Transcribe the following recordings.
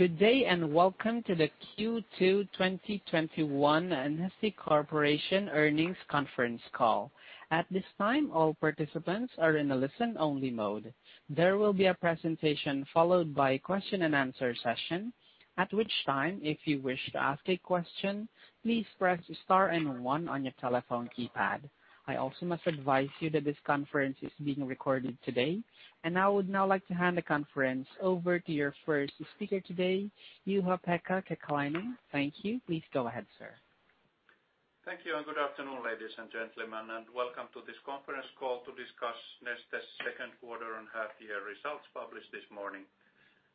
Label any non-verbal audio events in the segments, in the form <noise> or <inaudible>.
Good day, and welcome to the Q2 2021 Neste Corporation earnings conference call. All participants are in a listen only mode. There will be a presentation followed by a question and answer session. If you wish to ask a question please press star and one on your telephone keypad. I also must advise you that this conference is being recorded today. I would now like to hand the conference over to your first speaker today, Juha-Pekka Kekäläinen. Thank you. Please go ahead, sir. Thank you. Good afternoon, ladies and gentlemen, and welcome to this conference call to discuss Neste's second quarter and half-year results published this morning.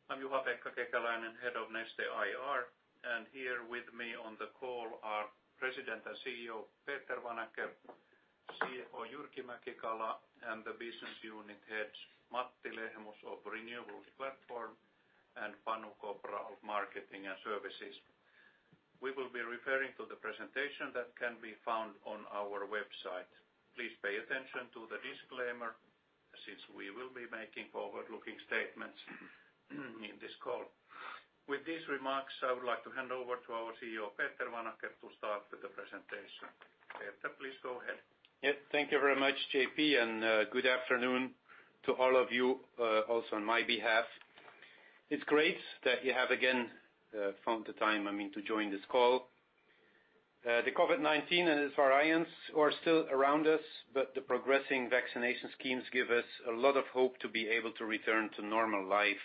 I'm Juha-Pekka Kekäläinen, Head of Neste IR, and here with me on the call are President and CEO, Peter Vanacker, CFO Jyrki Mäki-Kala, and the business unit heads, Matti Lehmus of Renewables Platform, and Panu Kopra of Marketing & Services. We will be referring to the presentation that can be found on our website. Please pay attention to the disclaimer since we will be making forward-looking statements in this call. With these remarks, I would like to hand over to our CEO, Peter Vanacker, to start with the presentation. Peter, please go ahead. Yes. Thank you very much, J.P., good afternoon to all of you, also on my behalf. It's great that you have again found the time to join this call. The COVID-19 and its variants are still around us, but the progressing vaccination schemes give us a lot of hope to be able to return to normal life.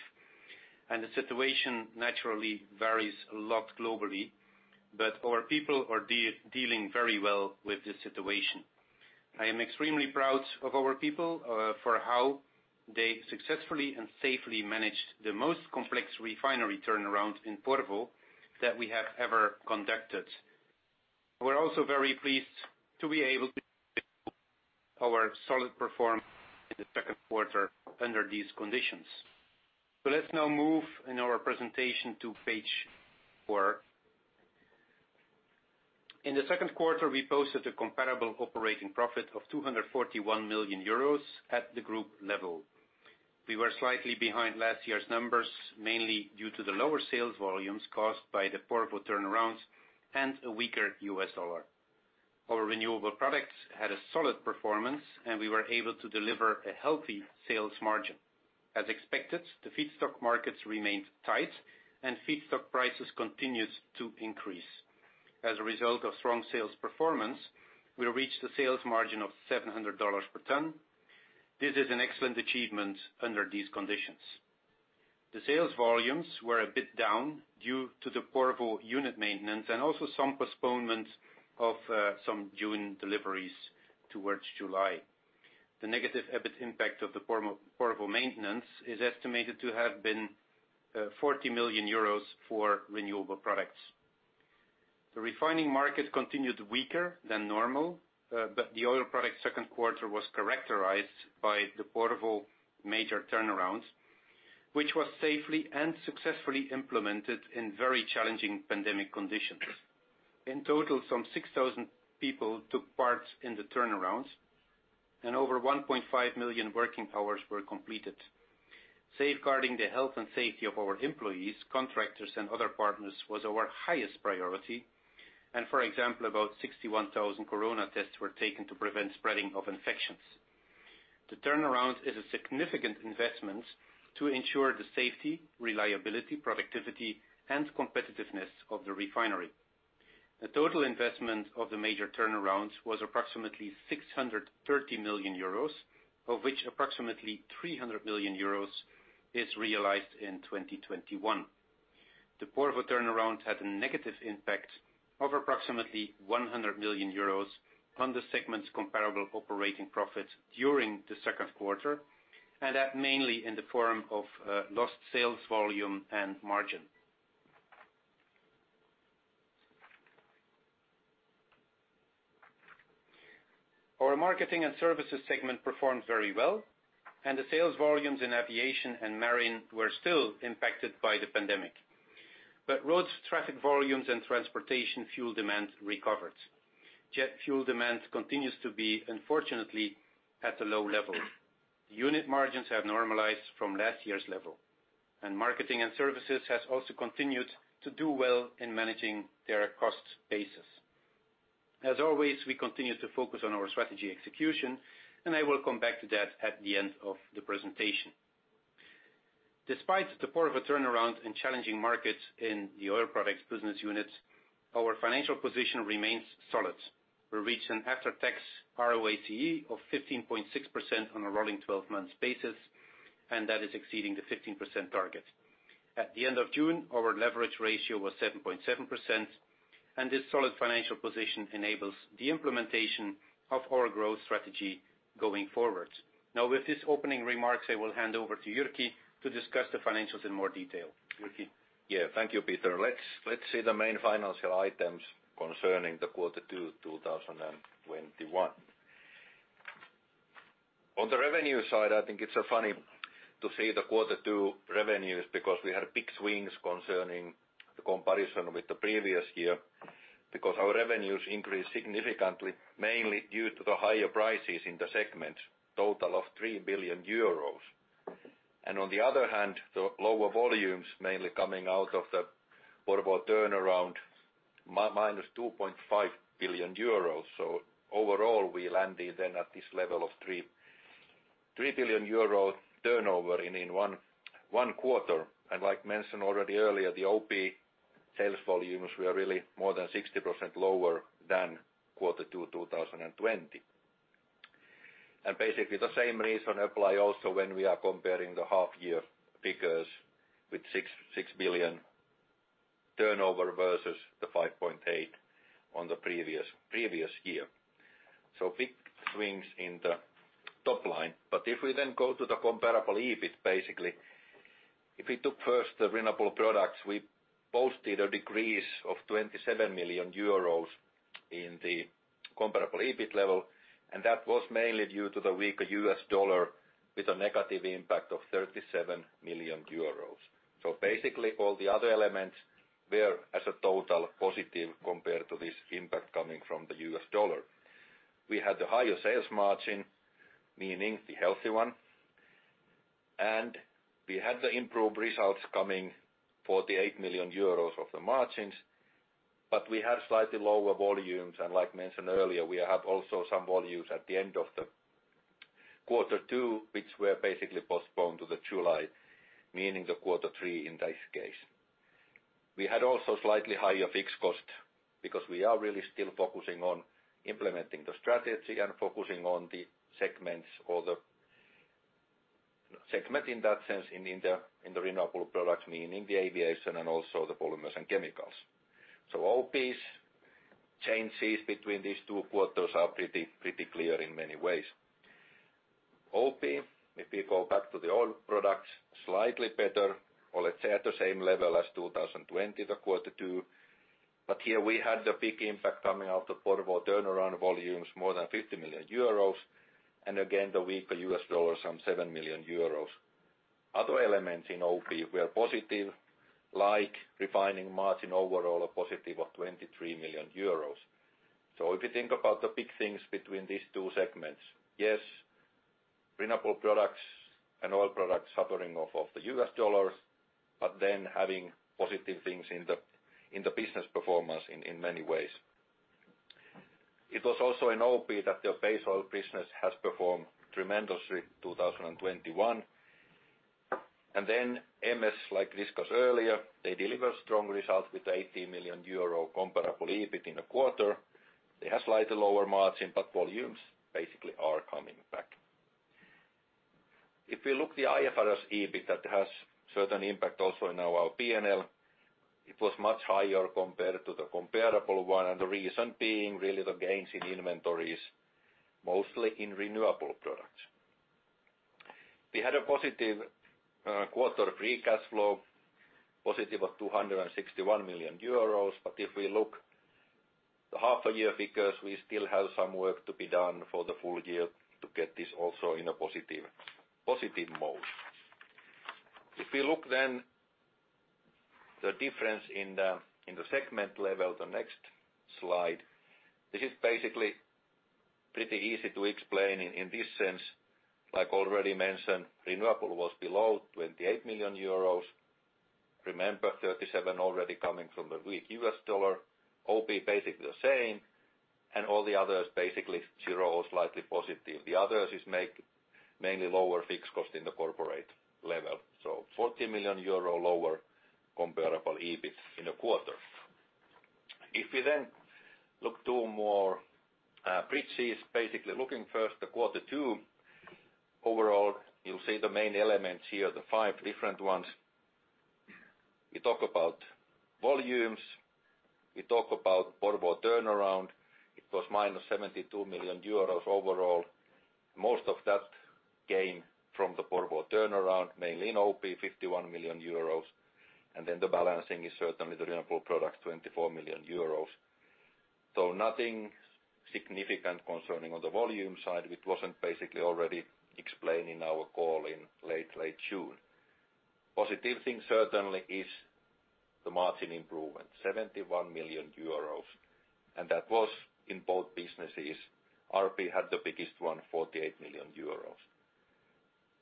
The situation naturally varies a lot globally, but our people are dealing very well with the situation. I am extremely proud of our people for how they successfully and safely managed the most complex refinery turnaround in Porvoo that we have ever conducted. We're also very pleased to be able to show our solid performance in the second quarter under these conditions. Let's now move in our presentation to page four. In the second quarter, we posted a comparable operating profit of 241 million euros at the group level. We were slightly behind last year's numbers, mainly due to the lower sales volumes caused by the Porvoo turnarounds and a weaker U.S. dollar. Our renewable products had a solid performance, and we were able to deliver a healthy sales margin. As expected, the feedstock markets remained tight and feedstock prices continued to increase. As a result of strong sales performance, we reached a sales margin of EUR 700 per ton. This is an excellent achievement under these conditions. The sales volumes were a bit down due to the Porvoo unit maintenance and also some postponements of some June deliveries towards July. The negative EBIT impact of the Porvoo maintenance is estimated to have been 40 million euros for renewable products. The refining market continued weaker than normal, but the Oil Products second quarter was characterized by the Porvoo major turnaround, which was safely and successfully implemented in very challenging pandemic conditions. In total, some 6,000 people took part in the turnaround, and over 1.5 million working hours were completed. Safeguarding the health and safety of our employees, contractors, and other partners was our highest priority. For example, about 61,000 corona tests were taken to prevent spreading of infections. The turnaround is a significant investment to ensure the safety, reliability, productivity, and competitiveness of the refinery. The total investment of the major turnaround was approximately 630 million euros, of which approximately 300 million euros is realized in 2021. The Porvoo turnaround had a negative impact of approximately 100 million euros on the segment's comparable operating profit during the second quarter, and that mainly in the form of lost sales volume and margin. Our Marketing & Services segment performed very well, and the sales volumes in aviation and marine were still impacted by the pandemic. Roads traffic volumes and transportation fuel demand recovered. Jet fuel demand continues to be, unfortunately, at a low level. Unit margins have normalized from last year's level, and Marketing & Services has also continued to do well in managing their cost basis. As always, we continue to focus on our strategy execution, and I will come back to that at the end of the presentation. Despite the Porvoo turnaround and challenging market in the Oil Products business unit, our financial position remains solid. We reached an after-tax ROACE of 15.6% on a rolling 12 months basis, and that is exceeding the 15% target. At the end of June, our leverage ratio was 7.7%, and this solid financial position enables the implementation of our growth strategy going forward. Now, with these opening remarks, I will hand over to Jyrki to discuss the financials in more detail. Jyrki. Yeah. Thank you, Peter. Let's see the main financial items concerning the quarter two 2021. On the revenue side, I think it's funny to see the quarter two revenues because we had big swings concerning the comparison with the previous year Because our revenues increased significantly, mainly due to the higher prices in the segments, total of 3 billion euros. On the other hand, the lower volumes mainly coming out of the Porvoo turnaround, -2.5 billion euros. Overall, we landed then at this level of 3 billion euro turnover in one quarter. Like mentioned already earlier, the OP sales volumes were really more than 60% lower than quarter two 2020. Basically the same reason apply also when we are comparing the half year figures with 6 billion turnover versus 5.8 billion on the previous year. Big swings in the top line. If we then go to the comparable EBIT, basically, if we took first the renewable products, we posted a decrease of 27 million euros in the comparable EBIT level, and that was mainly due to the weaker U.S. dollar with a negative impact of 37 million euros. Basically all the other elements were as a total positive compared to this impact coming from the U.S. dollar. We had the higher sales margin, meaning the healthy one. We had the improved results coming 48 million euros of the margins, but we had slightly lower volumes. Like mentioned earlier, we have also some volumes at the end of the quarter two, which were basically postponed to the July, meaning the quarter three in this case. We had also slightly higher fixed cost because we are really still focusing on implementing the strategy and focusing on the segments or the segment in that sense in the renewable product, meaning the aviation and also the polymers and chemicals. OP's changes between these two quarters are pretty clear in many ways. OP, if we go back to the Oil Products, slightly better or let's say at the same level as 2020, the quarter two. Here we had the big impact coming out of Porvoo turnaround volumes, more than 50 million euros. Again, the weaker U.S. dollar, some 7 million euros. Other elements in OP were positive, like refining margin overall a positive of 23 million euros. If you think about the big things between these two segments, yes, renewable products and Oil Products suffering off of the U.S. dollars, but then having positive things in the business performance in many ways. It was also in OP that their base oil business has performed tremendously 2021. Then MS, like discussed earlier, they deliver strong results with 80 million euro comparable EBIT in a quarter. They have slightly lower margin, volumes basically are coming back. If we look the IFRS EBIT that has certain impact also in our P&L, it was much higher compared to the comparable one. The reason being really the gains in inventories, mostly in renewable products. We had a positive quarter free cash flow, positive of 261 million euros. If we look the half-year figures, we still have some work to be done for the full year to get this also in a positive mode. If we look the difference in the segment level, the next slide. This is basically pretty easy to explain in this sense. Like already mentioned, Renewables was below 28 million euros. Remember, 37 already coming from the weak U.S. dollar, OP basically the same. All the others basically zero or slightly positive. The others is mainly lower fixed cost in the corporate level. 40 million euro lower comparable EBIT in a quarter. Looking to more bridges, basically looking first the quarter two, overall, you'll see the main elements here, the five different ones. We talk about volumes, we talk about Porvoo turnaround. It was -72 million euros overall. Most of that gain from the Porvoo turnaround, mainly in OP, 51 million euros. The balancing is certainly the renewable products, 24 million euros. Nothing significant concerning on the volume side, which wasn't basically already explained in our call in late June. Positive thing certainly is the margin improvement, 71 million euros. That was in both businesses. RP had the biggest one, 48 million euros.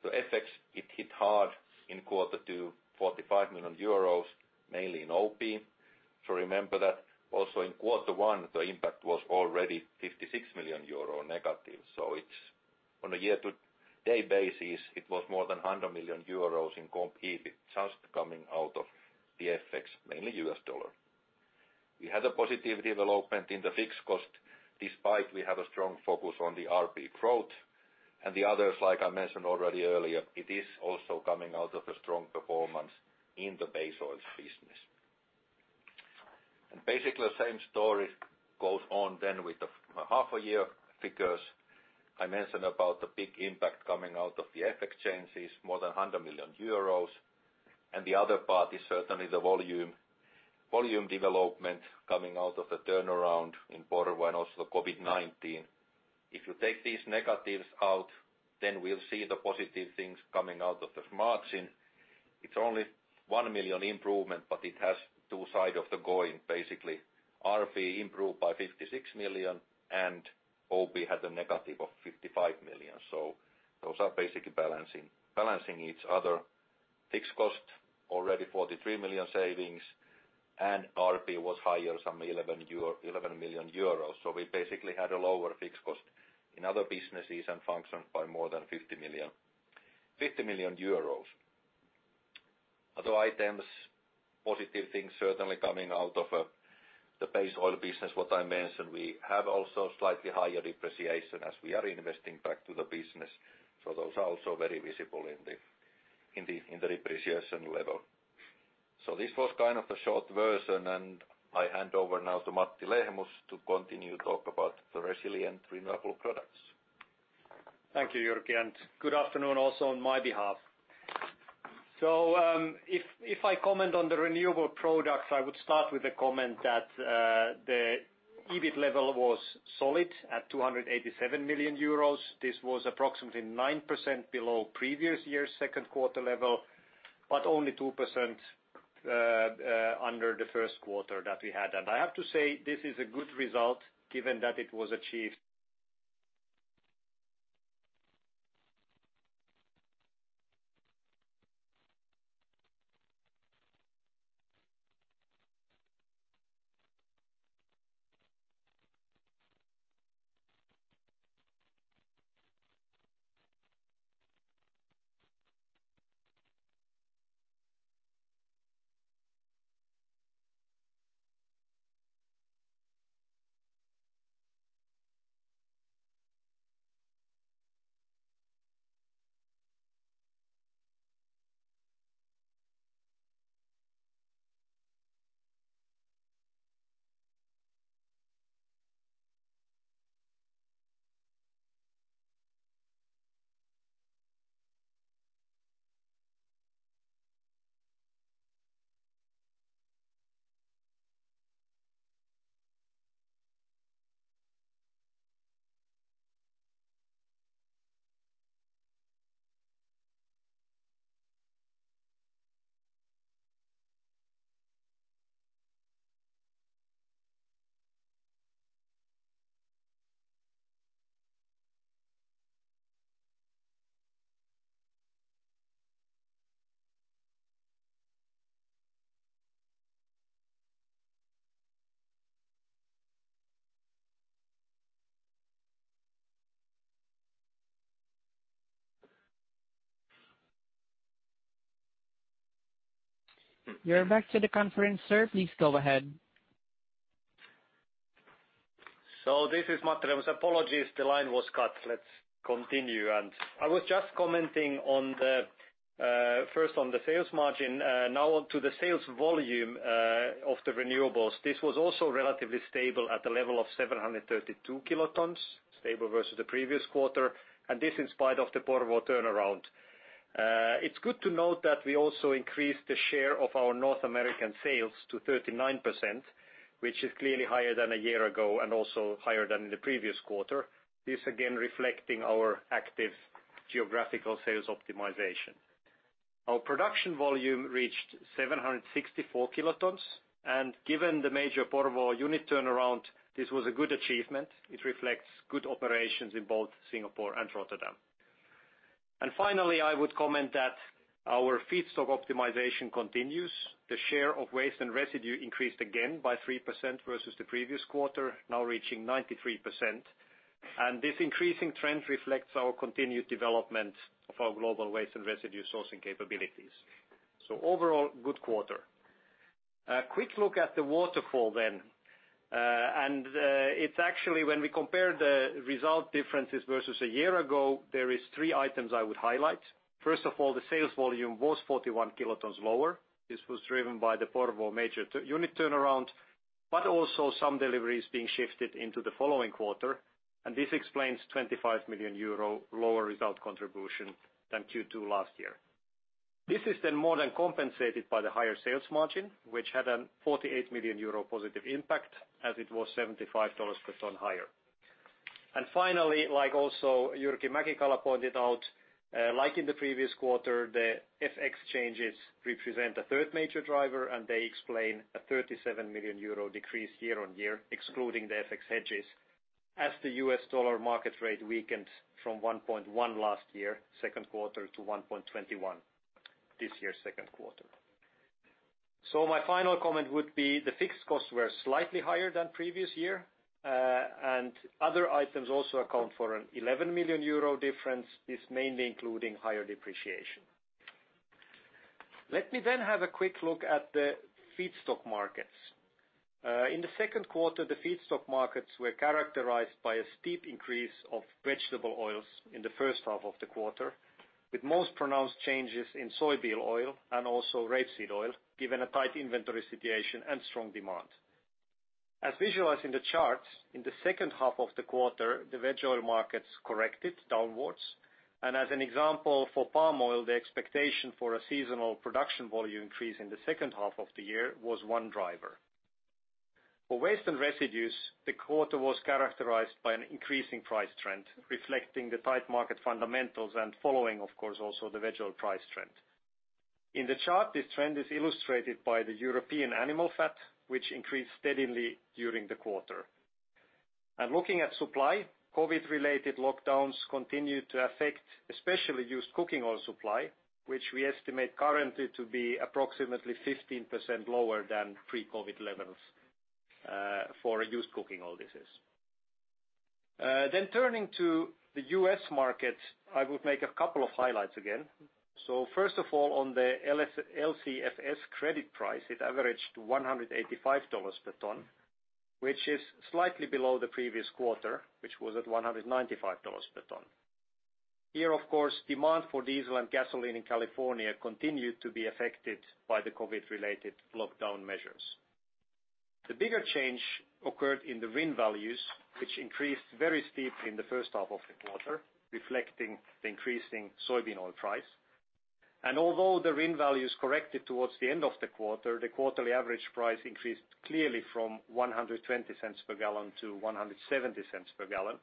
The FX, it hit hard in Q2, 45 million euros, mainly in OP. Remember that also in quarter one, the impact was already 56 million euro negative. On a year-to-date basis, it was more than 100 million euros in comp EBIT just coming out of the FX, mainly U.S. dollar. We had a positive development in the fixed cost despite we have a strong focus on the RP growth. The others, like I mentioned already earlier, it is also coming out of a strong performance in the base oils business. Basically the same story goes on then with the half a year figures. I mentioned about the big impact coming out of the FX changes, more than 100 million euros. The other part is certainly the volume development coming out of the turnaround in Porvoo and also COVID-19. If you take these negatives out, then we'll see the positive things coming out of this margin. It's only 1 million improvement, but it has two side of the coin. RP improved by 56 million, and OP had a negative of 55 million. Those are basically balancing each other. Fixed cost, already 43 million savings, and RP was higher, some 11 million euro. We basically had a lower fixed cost in other businesses and functioned by more than 50 million. Other items, positive things certainly coming out of the base oil business, what I mentioned, we have also slightly higher depreciation as we are investing back to the business. Those are also very visible in the depreciation level. This was kind of a short version, and I hand over now to Matti Lehmus to continue to talk about the resilient renewable products. Thank you, Jyrki, and good afternoon also on my behalf. If I comment on the renewable products, I would start with a comment that the EBIT level was solid at 287 million euros. This was approximately 9% below previous year's second quarter level, but only 2% under the first quarter that we had. I have to say, this is a good result given that it was achieved— You're back to the conference, sir. Please go ahead. This is Matti Lehmus. Apologies, the line was cut. Let's continue. I was just commenting first on the sales margin. Now on to the sales volume of the renewables. This was also relatively stable at the level of 732 kilotons, stable versus the previous quarter, and this in spite of the Porvoo turnaround. It's good to note that we also increased the share of our North American sales to 39%, which is clearly higher than a year ago and also higher than the previous quarter. This again reflecting our active geographical sales optimization. Our production volume reached 764 kilotons, and given the major Porvoo unit turnaround, this was a good achievement. It reflects good operations in both Singapore and Rotterdam. Finally, I would comment that our feedstock optimization continues. The share of waste and residue increased again by 3% versus the previous quarter, now reaching 93%. This increasing trend reflects our continued development of our global waste and residue sourcing capabilities. Overall, good quarter. A quick look at the waterfall then. It's actually when we compare the result differences versus a year ago, there is three items I would highlight. First of all, the sales volume was 41 kilotons lower. This was driven by the Porvoo major unit turnaround, but also some deliveries being shifted into the following quarter, and this explains 25 million euro lower result contribution than Q2 last year. This is then more than compensated by the higher sales margin, which had a 48 million euro positive impact as it was EUR 75 per ton higher. Finally, also Jyrki Mäki-Kala pointed out, in the previous quarter, the FX changes represent a third major driver, and they explain a 37 million euro decrease year-on-year, excluding the FX hedges, as the U.S. dollar market rate weakened from 1.1 last year, second quarter, to 1.21 this year, second quarter. My final comment would be the fixed costs were slightly higher than previous year, and other items also account for an 11 million euro difference, this mainly including higher depreciation. Let me have a quick look at the feedstock markets. In the second quarter, the feedstock markets were characterized by a steep increase of vegetable oils in the first half of the quarter, with most pronounced changes in soybean oil and also rapeseed oil, given a tight inventory situation and strong demand. As visualized in the charts, in the second half of the quarter, the veg oil markets corrected downwards. As an example for palm oil, the expectation for a seasonal production volume increase in the second half of the year was one driver. For waste and residues, the quarter was characterized by an increasing price trend, reflecting the tight market fundamentals and following, of course, also the veg oil price trend. In the chart, this trend is illustrated by the European animal fat, which increased steadily during the quarter. Looking at supply, COVID-related lockdowns continued to affect, especially used cooking oil supply, which we estimate currently to be approximately 15% lower than pre-COVID levels for used cooking oil, this is. Turning to the U.S. market, I would make a couple of highlights again. First of all, on the LCFS credit price, it averaged $185 per ton, which is slightly below the previous quarter, which was at $195 per ton. Here, of course, demand for diesel and gasoline in California continued to be affected by the COVID-related lockdown measures. The bigger change occurred in the RIN values, which increased very steeply in the first half of the quarter, reflecting the increasing soybean oil price. Although the RIN values corrected towards the end of the quarter, the quarterly average price increased clearly from $1.20 per gallon to $1.70 per gallon,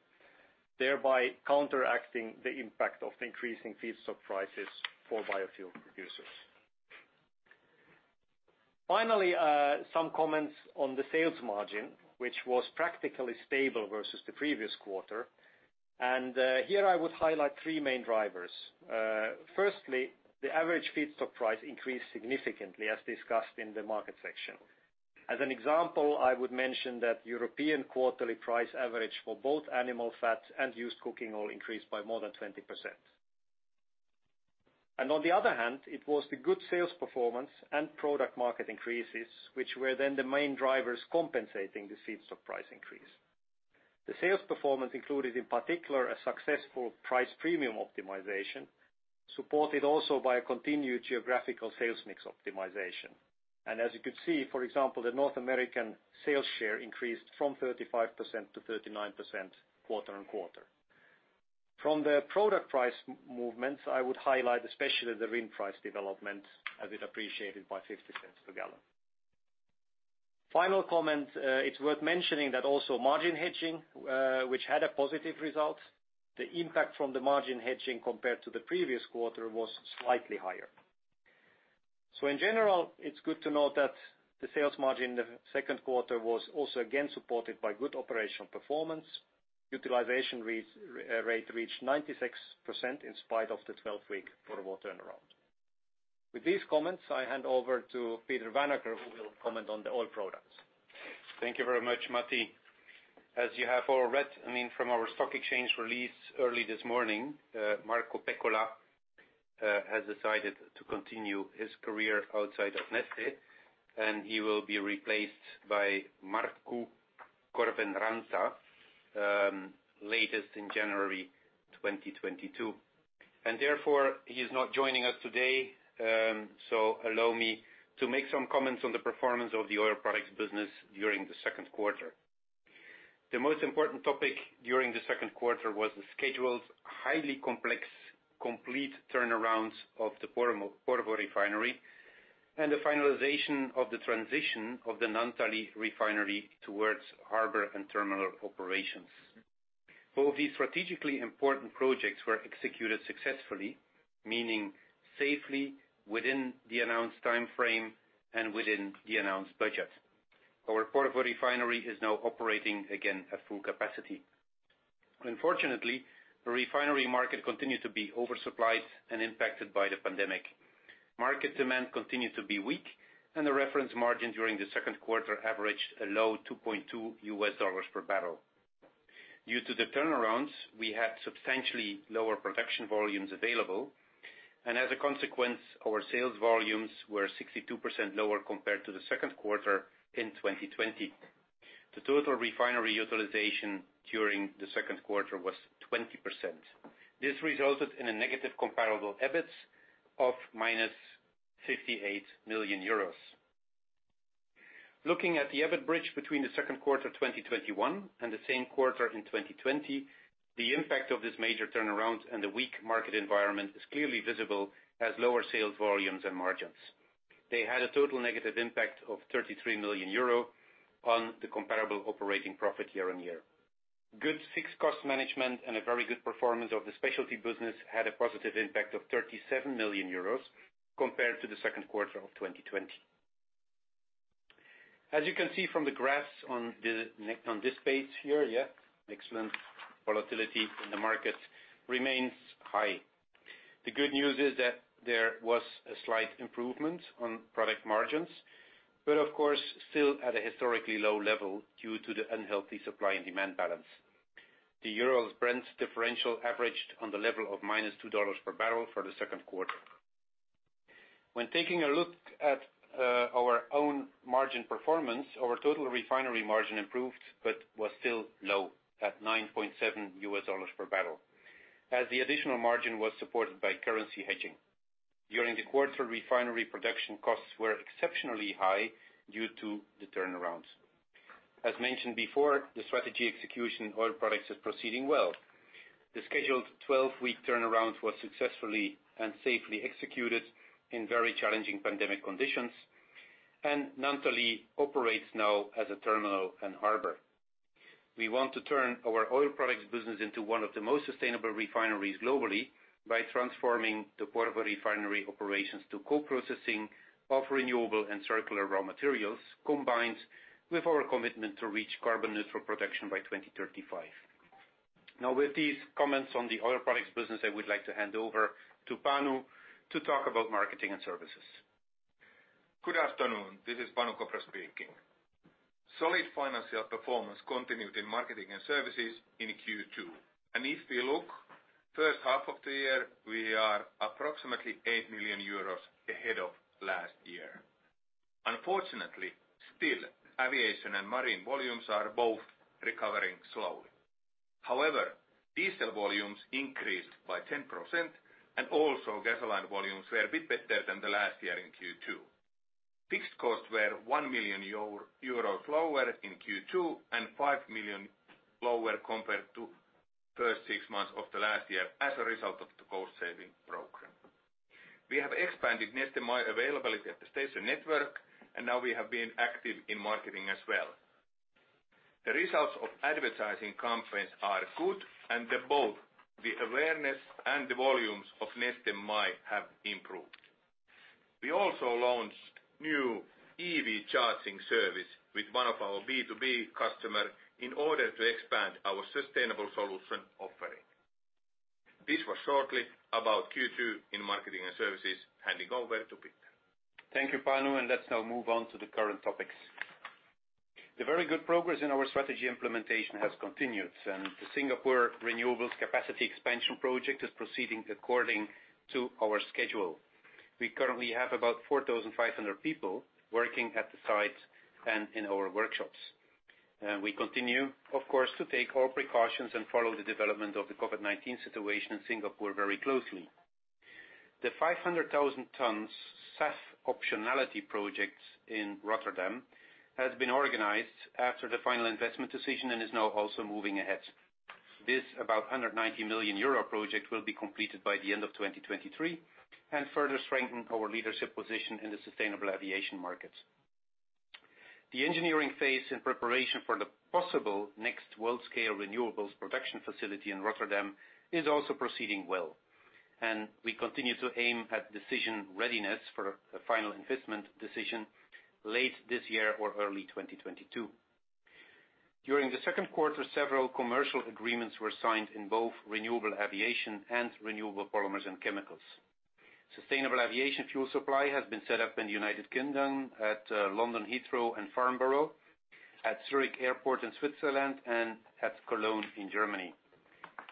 thereby counteracting the impact of the increasing feedstock prices for biofuel producers. Finally, some comments on the sales margin, which was practically stable versus the previous quarter. Here I would highlight three main drivers. Firstly, the average feedstock price increased significantly as discussed in the market section. As an example, I would mention that European quarterly price average for both animal fat and used cooking oil increased by more than 20%. On the other hand, it was the good sales performance and product market increases, which were then the main drivers compensating this feedstock price increase. The sales performance included, in particular, a successful price premium optimization, supported also by a continued geographical sales mix optimization. As you could see, for example, the North American sales share increased from 35% to 39% quarter on quarter. From the product price movements, I would highlight especially the RIN price development, as it appreciated by 0.50 per gallon. Final comment, it is worth mentioning that also margin hedging, which had a positive result, the impact from the margin hedging compared to the previous quarter was slightly higher. In general, it's good to note that the sales margin in the second quarter was also again supported by good operational performance. Utilization rate reached 96% in spite of the 12-week Porvoo turnaround. With these comments, I hand over to Peter Vanacker, who will comment on the oil products. Thank you very much, Matti. As you have all read from our stock exchange release early this morning, Marko Pekkola has decided to continue his career outside of Neste. He will be replaced by Markku Korvenranta latest in January 2022. Therefore, he is not joining us today. Allow me to make some comments on the performance of the oil products business during the second quarter. The most important topic during the second quarter was the scheduled, highly complex, complete turnarounds of the Porvoo refinery and the finalization of the transition of the Naantali refinery towards harbor and terminal operations. Both these strategically important projects were executed successfully, meaning safely within the announced timeframe and within the announced budget. Our Porvoo refinery is now operating again at full capacity. Unfortunately, the refinery market continued to be oversupplied and impacted by the pandemic. Market demand continued to be weak, and the reference margin during the second quarter averaged a low $2.2 per barrel. Due to the turnarounds, we had substantially lower production volumes available, and as a consequence, our sales volumes were 62% lower compared to the second quarter in 2020. The total refinery utilization during the second quarter was 20%. This resulted in a negative comparable EBIT of -58 million euros. Looking at the EBIT bridge between the second quarter 2021 and the same quarter in 2020, the impact of this major turnaround and the weak market environment is clearly visible as lower sales volumes and margins. They had a total negative impact of 33 million euro on the comparable operating profit year-on-year. Good fixed cost management and a very good performance of the specialty business had a positive impact of 37 million euros compared to the second quarter of 2020. As you can see from the graphs on this page here, excellent volatility in the market remains high. The good news is that there was a slight improvement on product margins, but of course, still at a historically low level due to the unhealthy supply and demand balance. The Urals-Brent differential averaged on the level of -$2 per barrel for the second quarter. When taking a look at our own margin performance, our total refinery margin improved but was still low at $9.7 per barrel, as the additional margin was supported by currency hedging. During the quarter, refinery production costs were exceptionally high due to the turnarounds. As mentioned before, the strategy execution Oil Products is proceeding well. The scheduled 12-week turnaround was successfully and safely executed in very challenging pandemic conditions, and Naantali operates now as a terminal and harbor. We want to turn our Oil Products business into one of the most sustainable refineries globally by transforming the Porvoo refinery operations to co-processing of renewable and circular raw materials, combined with our commitment to reach carbon neutral production by 2035. With these comments on the Oil Products business, I would like to hand over to Panu to talk about Marketing & Services. Good afternoon. This is Panu Kopra speaking. Solid financial performance continued in Marketing & Services in Q2. If we look first half of the year, we are approximately 8 million euros ahead of last year. Unfortunately, still, aviation and marine volumes are both recovering slowly. However, diesel volumes increased by 10%, and also gasoline volumes were a bit better than last year in Q2. Fixed costs were 1 million euros lower in Q2 and 5 million lower compared to first six months of last year as a result of the cost-saving program. We have expanded Neste MY availability at the station network, and now we have been active in marketing as well. The results of advertising campaigns are good, and both the awareness and the volumes of Neste MY have improved. We also launched new EV charging service with one of our B2B customer in order to expand our sustainable solution offering. This was shortly about Q2 in Marketing & Services. Handing over to Peter. Thank you, Panu. Let's now move on to the current topics. The very good progress in our strategy implementation has continued, and the Singapore renewables capacity expansion project is proceeding according to our schedule. We currently have about 4,500 people working at the site and in our workshops. We continue, of course, to take all precautions and follow the development of the COVID-19 situation in Singapore very closely. The 500,000 tons SAF optionality projects in Rotterdam has been organized after the final investment decision and is now also moving ahead. This about 190 million euro project will be completed by the end of 2023 and further strengthen our leadership position in the sustainable aviation market. The engineering phase in preparation for the possible next world-scale renewables production facility in Rotterdam is also proceeding well, and we continue to aim at decision readiness for a final investment decision late this year or early 2022. During the second quarter, several commercial agreements were signed in both renewable aviation and renewable polymers and chemicals. Sustainable aviation fuel supply has been set up in the United Kingdom at London Heathrow and Farnborough, at Zurich Airport in Switzerland, and at Cologne in Germany.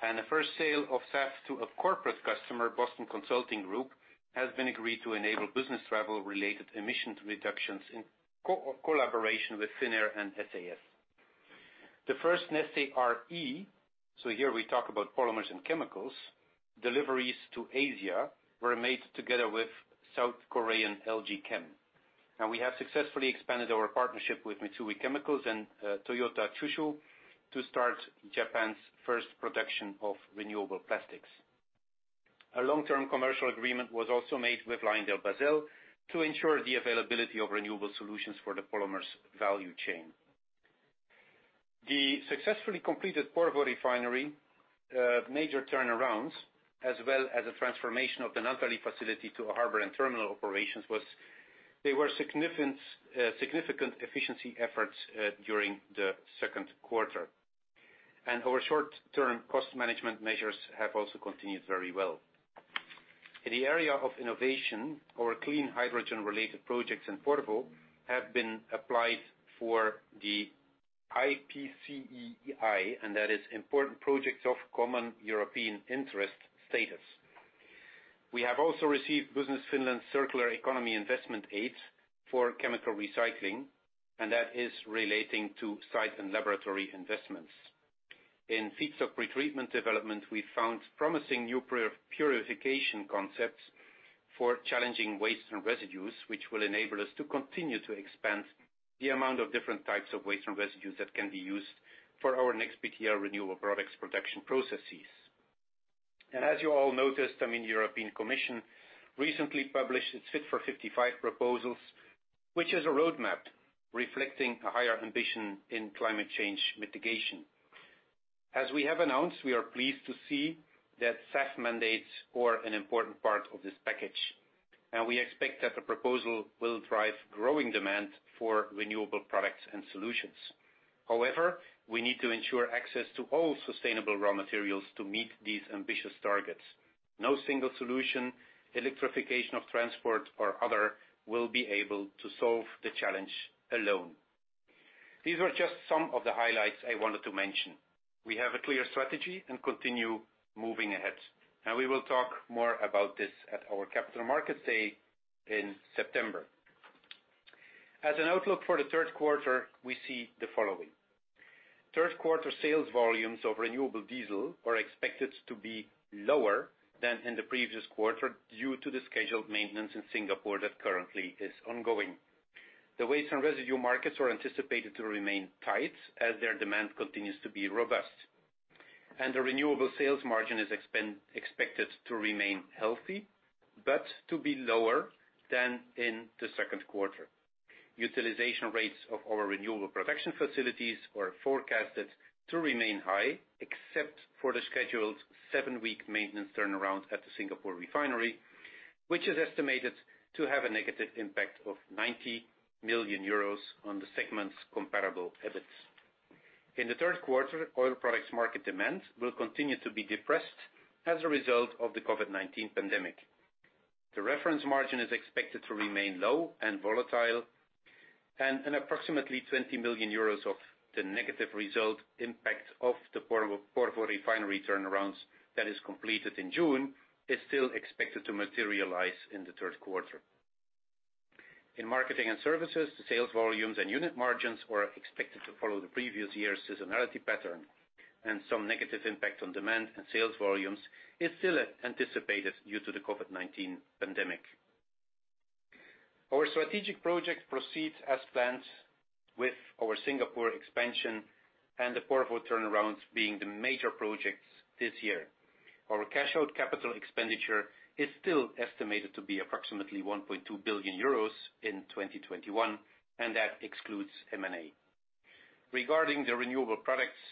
The first sale of SAF to a corporate customer, Boston Consulting Group, has been agreed to enable business travel-related emissions reductions in co-collaboration with Finnair and SAS. The first Neste RE, so here we talk about polymers and chemicals, deliveries to Asia were made together with South Korean LG Chem. Now we have successfully expanded our partnership with Mitsui Chemicals and Toyota Tsusho to start Japan's first production of renewable plastics. A long-term commercial agreement was also made with LyondellBasell to ensure the availability of renewable solutions for the polymers value chain. The successfully completed Porvoo Refinery major turnarounds as well as the transformation of the Naantali facility to a harbor and terminal operations they were significant efficiency efforts during the second quarter. Our short-term cost management measures have also continued very well. In the area of innovation our clean hydrogen-related projects in Porvoo have been applied for the IPCEI, and that is Important Projects of Common European Interest status. We have also received Business Finland's circular economy investment aid for chemical recycling, and that is relating to site and laboratory investments. In feedstock pretreatment development, we found promising new purification concepts for challenging waste and residues, which will enable us to continue to expand the amount of different types of waste and residues that can be used for our NEXBTL renewable products production processes. As you all noticed, I mean, European Commission recently published its Fit for 55 proposals, which is a roadmap reflecting a higher ambition in climate change mitigation. As we have announced, we are pleased to see that SAF mandates were an important part of this package, and we expect that the proposal will drive growing demand for renewable products and solutions. However, we need to ensure access to all sustainable raw materials to meet these ambitious targets. No single solution, electrification of transport or other, will be able to solve the challenge alone. These are just some of the highlights I wanted to mention. We have a clear strategy and continue moving ahead. We will talk more about this at our Capital Markets Day in September. As an outlook for the third quarter, we see the following. Third quarter sales volumes of renewable diesel are expected to be lower than in the previous quarter due to the scheduled maintenance in Singapore that currently is ongoing. The waste and residue markets are anticipated to remain tight as their demand continues to be robust. The renewable sales margin is expected to remain healthy, but to be lower than in the second quarter. Utilization rates of our renewable production facilities are forecasted to remain high, except for the scheduled seven week maintenance turnaround at the Singapore refinery, which is estimated to have a negative impact of 90 million euros on the segment's comparable EBIT. In the third quarter, oil products market demand will continue to be depressed as a result of the COVID-19 pandemic. The reference margin is expected to remain low and volatile, and an approximately 20 million euros of the negative result impact of the Porvoo Refinery turnarounds that is completed in June is still expected to materialize in the third quarter. In Marketing & Services, the sales volumes and unit margins are expected to follow the previous year's seasonality pattern, and some negative impact on demand and sales volumes is still anticipated due to the COVID-19 pandemic. Our strategic project proceeds as planned with our Singapore expansion and the Porvoo turnarounds being the major projects this year. Our cash-out capital expenditure is still estimated to be approximately 1.2 billion euros in 2021, and that excludes M&A. Regarding the renewable products,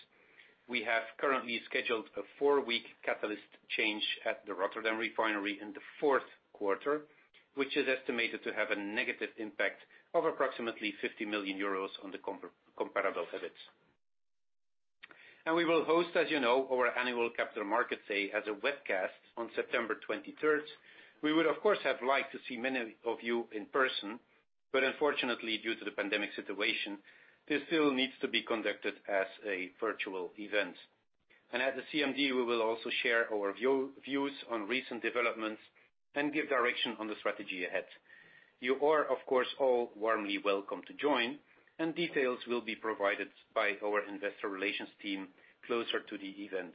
we have currently scheduled a four-week catalyst change at the Rotterdam refinery in the fourth quarter, which is estimated to have a negative impact of approximately 50 million euros on the comparable EBITs. We will host, as you know, our annual Capital Markets Day as a webcast on September 23rd. We would, of course, have liked to see many of you in person, but unfortunately, due to the pandemic situation, this still needs to be conducted as a virtual event. At the CMD, we will also share our views on recent developments and give direction on the strategy ahead. You are, of course, all warmly welcome to join, and details will be provided by our investor relations team closer to the event.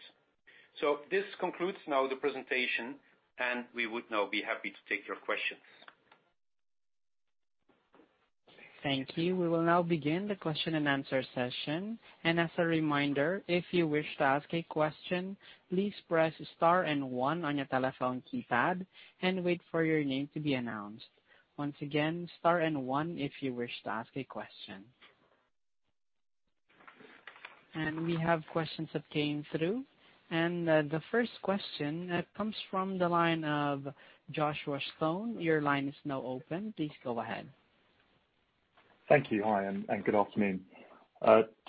This concludes now the presentation, and we would now be happy to take your questions. Thank you. We will now begin the question and answer session. As a reminder, if you wish to ask a question, please press star and one on your telephone keypad and wait for your name to be announced. Once again, star and one if you wish to ask a question. We have questions that came through. The first question comes from the line of Joshua Stone. Your line is now open. Please go ahead. Thank you. Hi, and good afternoon.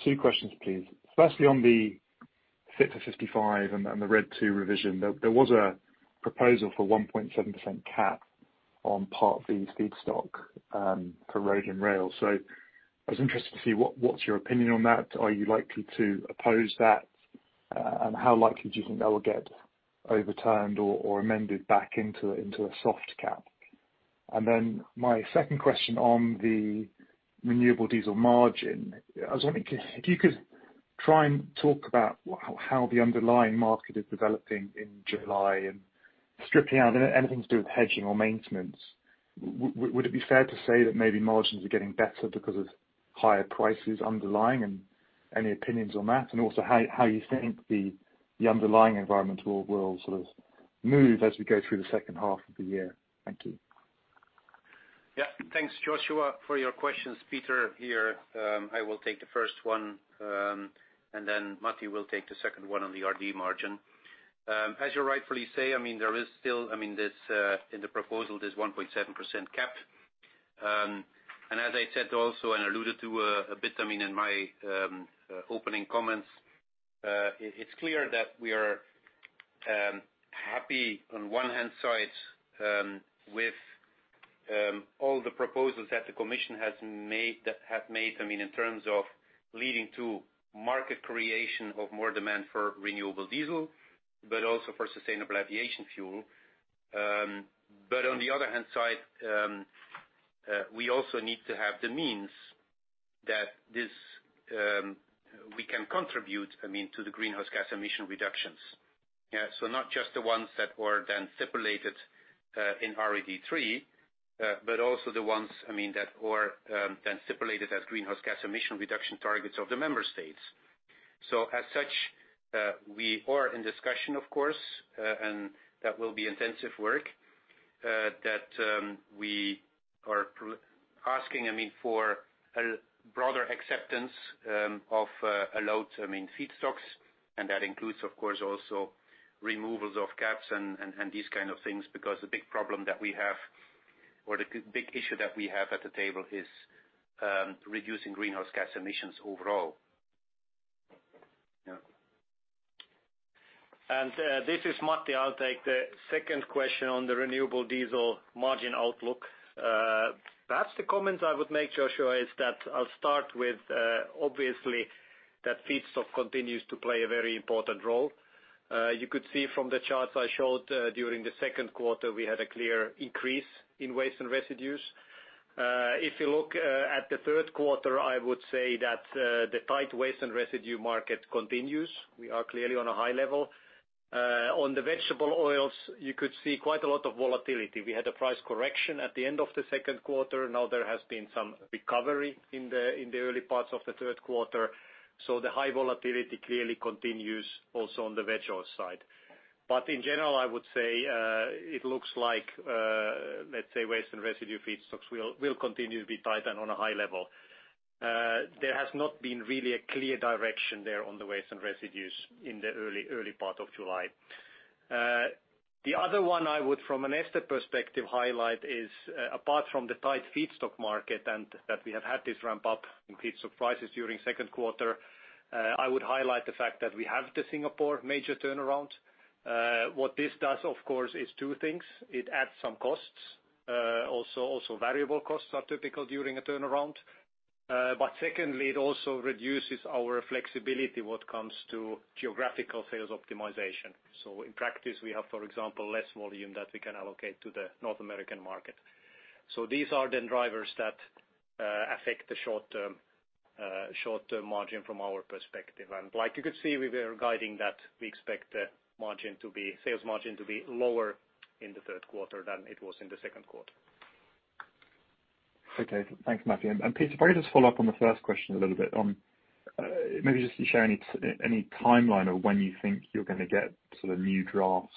Two questions, please. Firstly, on the Fit for 55 and the RED II revision, there was a proposal for 1.7% cap on part of the feedstock for road and rail. I was interested to see what's your opinion on that? Are you likely to oppose that? How likely do you think that will get overturned or amended back into a soft cap? My second question on the renewable diesel margin. I was wondering if you could try and talk about how the underlying market is developing in July and stripping out anything to do with hedging or maintenance. Would it be fair to say that maybe margins are getting better because of higher prices underlying, and any opinions on that? Also how you think the underlying environmental will sort of move as we go through the second half of the year. Thank you. Yeah, thanks, Joshua, for your questions. Peter here. I will take the first one, and then Matti will take the second one on the RD margin. As you rightfully say, in the proposal, there's 1.7% cap. As I said also and alluded to a bit in my opening comments, it's clear that we are happy on one hand side with all the proposals that the Commission have made, in terms of leading to market creation of more demand for renewable diesel, but also for sustainable aviation fuel. On the other hand side, we also need to have the means that we can contribute to the greenhouse gas emission reductions. Not just the ones that were then stipulated in RED III, but also the ones that were then stipulated as greenhouse gas emission reduction targets of the member states. As such, we are in discussion, of course, and that will be intensive work, that we are asking for a broader acceptance of allowed feedstocks. That includes, of course, also removals of caps and these kind of things, because the big problem that we have, or the big issue that we have at the table is reducing greenhouse gas emissions overall. Yeah. This is Matti. I'll take the second question on the renewable diesel margin outlook. Perhaps the comments I would make, Joshua, is that I'll start with, obviously, that feedstock continues to play a very important role. You could see from the charts I showed during the second quarter, we had a clear increase in waste and residues. If you look at the third quarter, I would say that the tight waste and residue market continues. We are clearly on a high level. The vegetable oils, you could see quite a lot of volatility. We had a price correction at the end of the second quarter. There has been some recovery in the early parts of the third quarter. The high volatility clearly continues also on the veg oil side. In general, I would say it looks like, let's say waste and residue feedstocks will continue to be tight and on a high level. There has not been really a clear direction there on the waste and residues in the early part of July. The other one I would, from a Neste perspective highlight is, apart from the tight feedstock market and that we have had this ramp up in feed prices during second quarter, I would highlight the fact that we have the Singapore major turnaround. What this does, of course, is two things. It adds some costs, also variable costs are typical during a turnaround. Secondly, it also reduces our flexibility when it comes to geographical sales optimization. In practice, we have, for example, less volume that we can allocate to the North American market. These are the drivers that affect the short-term margin from our perspective. Like you could see, we were guiding that we expect sales margin to be lower in the third quarter than it was in the second quarter. Okay. Thanks, Matti. Peter, could I just follow up on the first question a little bit? Maybe just share any timeline of when you think you're going to get new drafts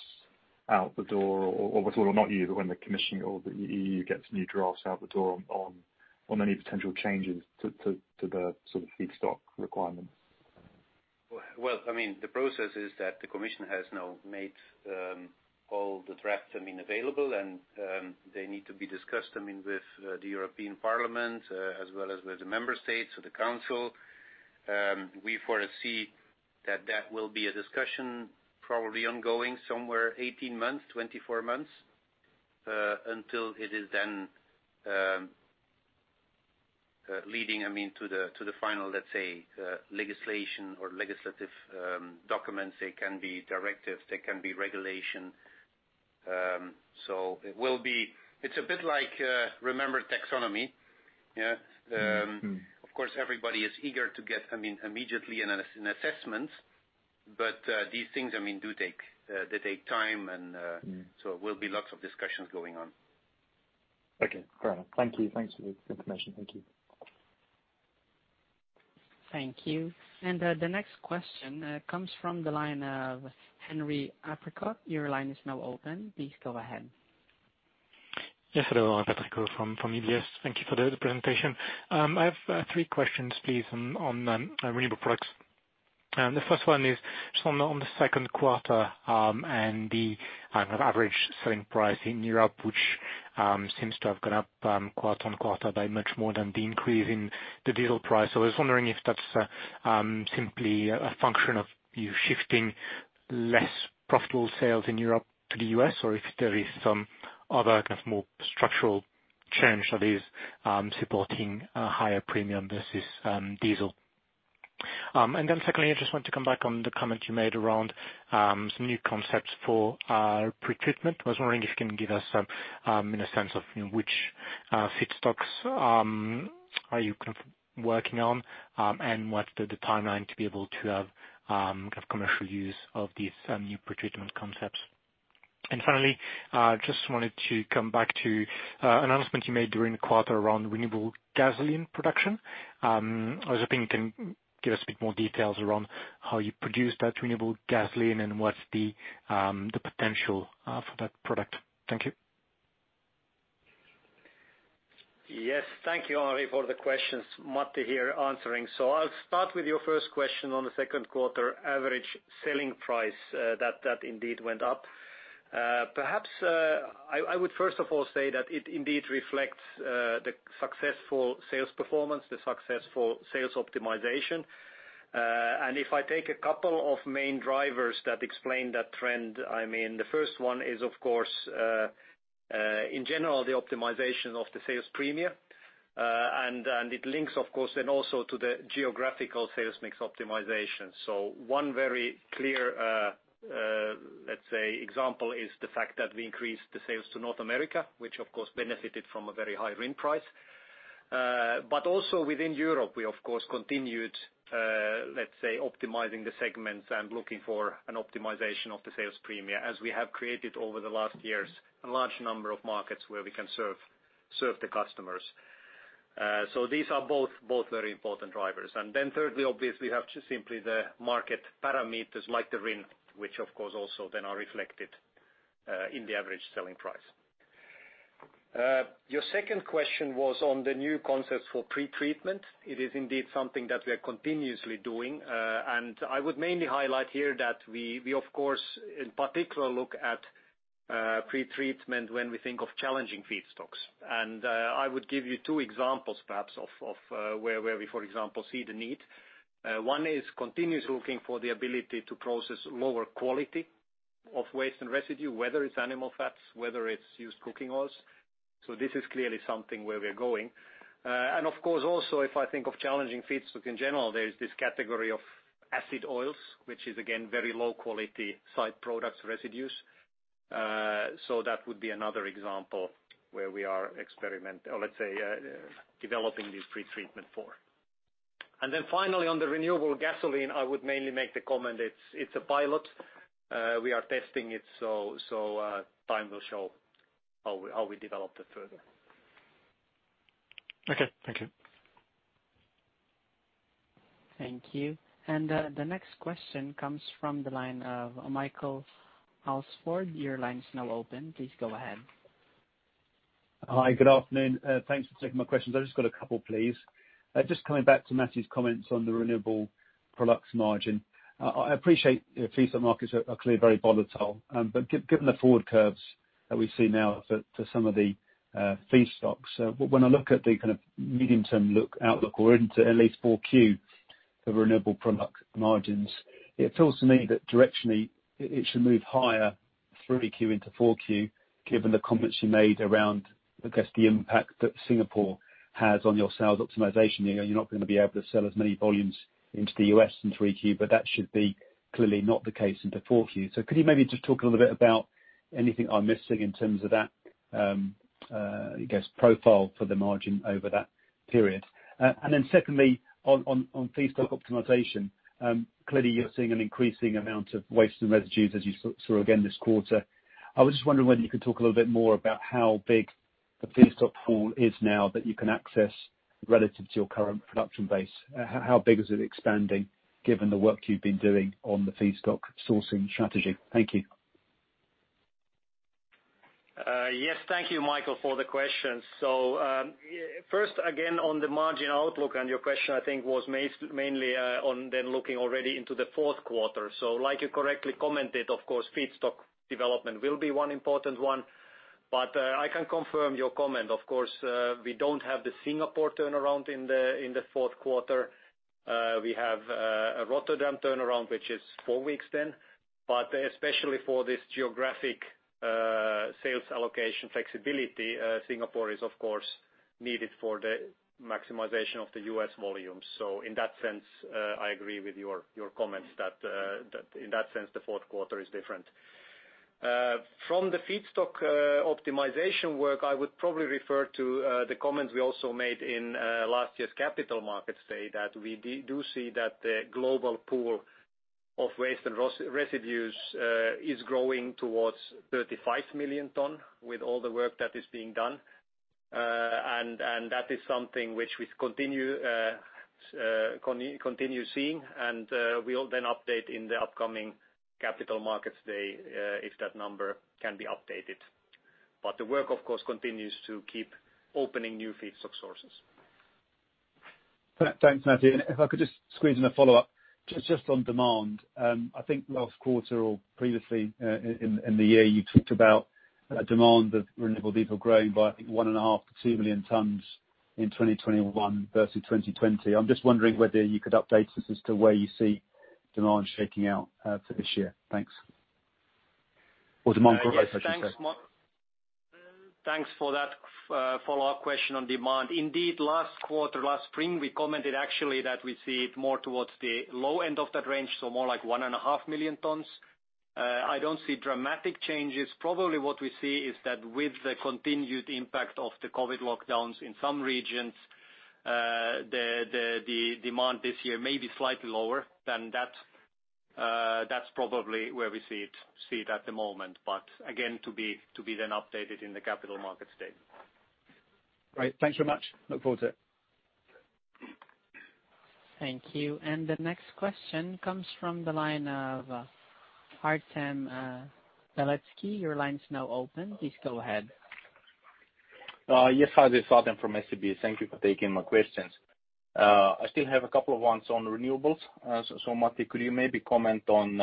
out the door, or not you, but when the Commission or the EU gets new drafts out the door on any potential changes to the feedstock requirements? The process is that the Commission has now made all the drafts available, and they need to be discussed with the European Parliament as well as with the member states of the Council. We foresee that that will be a discussion probably ongoing somewhere 18 months, 24 months, until it is then leading to the final, let's say, legislation or legislative documents. They can be directives. They can be regulation. It's a bit like, remember taxonomy? Of course, everybody is eager to get immediately an assessment. These things do take time. There will be lots of discussions going on. Okay, fair enough. Thank you. Thanks for the information. Thank you. Thank you. The next question comes from the line of Henri Patricot. Your line is now open. Please go ahead. Yes, hello. Henri Patricot from UBS. Thank you for the presentation. I have three questions, please, on renewable products. The first one is just on the second quarter and the average selling price in Europe, which seems to have gone up quarter-on-quarter by much more than the increase in the diesel price. I was wondering if that's simply a function of you shifting less profitable sales in Europe to the U.S., or if there is some other more structural change that is supporting a higher premium versus diesel. Secondly, I just wanted to come back on the comment you made around some new concepts for pretreatment. I was wondering if you can give us a sense of which feedstocks are you working on, and what's the timeline to be able to have commercial use of these new pretreatment concepts. Finally, I just wanted to come back to an announcement you made during the quarter around renewable gasoline production. I was hoping you can give us a bit more details around how you produce that renewable gasoline and what's the potential for that product. Thank you. Thank you, Henri, for the questions. Matti here answering. I'll start with your first question on the second quarter average selling price that indeed went up. Perhaps I would first of all say that it indeed reflects the successful sales performance, the successful sales optimization. If I take a couple of main drivers that explain that trend, the first one is, of course, in general, the optimization of the sales premium. It links, of course, then also to the geographical sales mix optimization. One very clear, let's say, example is the fact that we increased the sales to North America, which of course benefited from a very high RIN price. Also within Europe, we of course continued, let's say, optimizing the segments and looking for an optimization of the sales premium, as we have created over the last years a large number of markets where we can serve the customers. These are both very important drivers. Thirdly, obviously, we have just simply the market parameters like the RIN, which of course also then are reflected in the average selling price. Your second question was on the new concepts for pretreatment. It is indeed something that we are continuously doing. I would mainly highlight here that we of course, in particular, look at pretreatment when we think of challenging feedstocks. I would give you two examples, perhaps, of where we, for example, see the need. One is continuously looking for the ability to process lower quality of waste and residue, whether it's animal fats, whether it's used cooking oils. This is clearly something where we're going. Of course, also, if I think of challenging feedstock in general, there is this category of acid oils, which is again, very low quality side products residues. That would be another example where we are developing these pretreatment for. Finally, on the renewable gasoline, I would mainly make the comment, it's a pilot. We are testing it, so time will show how we develop it further. Okay. Thank you. Thank you. The next question comes from the line of Michael Alsford. Your line's now open. Please go ahead. Hi. Good afternoon. Thanks for taking my questions. I've just got a couple, please. Just coming back to Matti's comments on the renewable products margin. I appreciate feedstock markets are clearly very volatile, but given the forward curves that we see now for some of the feedstocks, when I look at the medium-term outlook or into at least four Q for renewable product margins, it feels to me that directionally, it should move higher 3Q into 4Q, given the comments you made around, I guess, the impact that Singapore has on your sales optimization. You're not going to be able to sell as many volumes into the U.S. in 3Q, but that should be clearly not the case into 4Q. Could you maybe just talk a little bit about anything I'm missing in terms of that, I guess, profile for the margin over that period? Secondly, on feedstock optimization. Clearly, you're seeing an increasing amount of waste and residues as you saw again this quarter. I was just wondering whether you could talk a little bit more about how big the feedstock pool is now that you can access relative to your current production base. How big is it expanding given the work you've been doing on the feedstock sourcing strategy? Thank you. Yes. Thank you, Michael, for the question. First, again, on the margin outlook, and your question, I think, was mainly on then looking already into the fourth quarter. Like you correctly commented, of course, feedstock development will be one important one. I can confirm your comment, of course, we don't have the Singapore turnaround in the fourth quarter. We have a Rotterdam turnaround, which is four weeks then. Especially for this geographic sales allocation flexibility, Singapore is, of course, needed for the maximization of the U.S. volume. In that sense, I agree with your comments that in that sense, the fourth quarter is different. From the feedstock optimization work, I would probably refer to the comments we also made in last year's Capital Markets Day, that we do see that the global pool of waste and residues is growing towards 35 million tons with all the work that is being done. That is something which we continue seeing, and we'll then update in the upcoming Capital Markets Day if that number can be updated. The work, of course, continues to keep opening new feedstock sources. Thanks, Matti. If I could just squeeze in a follow-up, just on demand. I think last quarter or previously in the year, you talked about demand of renewable diesel growing by, I think, 1.5, 2 million tons in 2021 versus 2020. I'm just wondering whether you could update us as to where you see demand shaking out for this year. Thanks. Demand growth, I should say. Yes, thanks for that follow-up question on demand. Indeed, last quarter, last spring, we commented actually that we see it more towards the low end of that range, so more like 1.5 million tons. I don't see dramatic changes. Probably what we see is that with the continued impact of the COVID lockdowns in some regions, the demand this year may be slightly lower. That's probably where we see it at the moment. Again, to be then updated in the Capital Markets Day. Great. Thanks so much. Look forward to it. Thank you. The next question comes from the line of Artem Beletski. Your line's now open. Please go ahead. Yes. Hi, this is Artem from SEB. Thank you for taking my questions. I still have a couple of ones on renewables. Matti, could you maybe comment on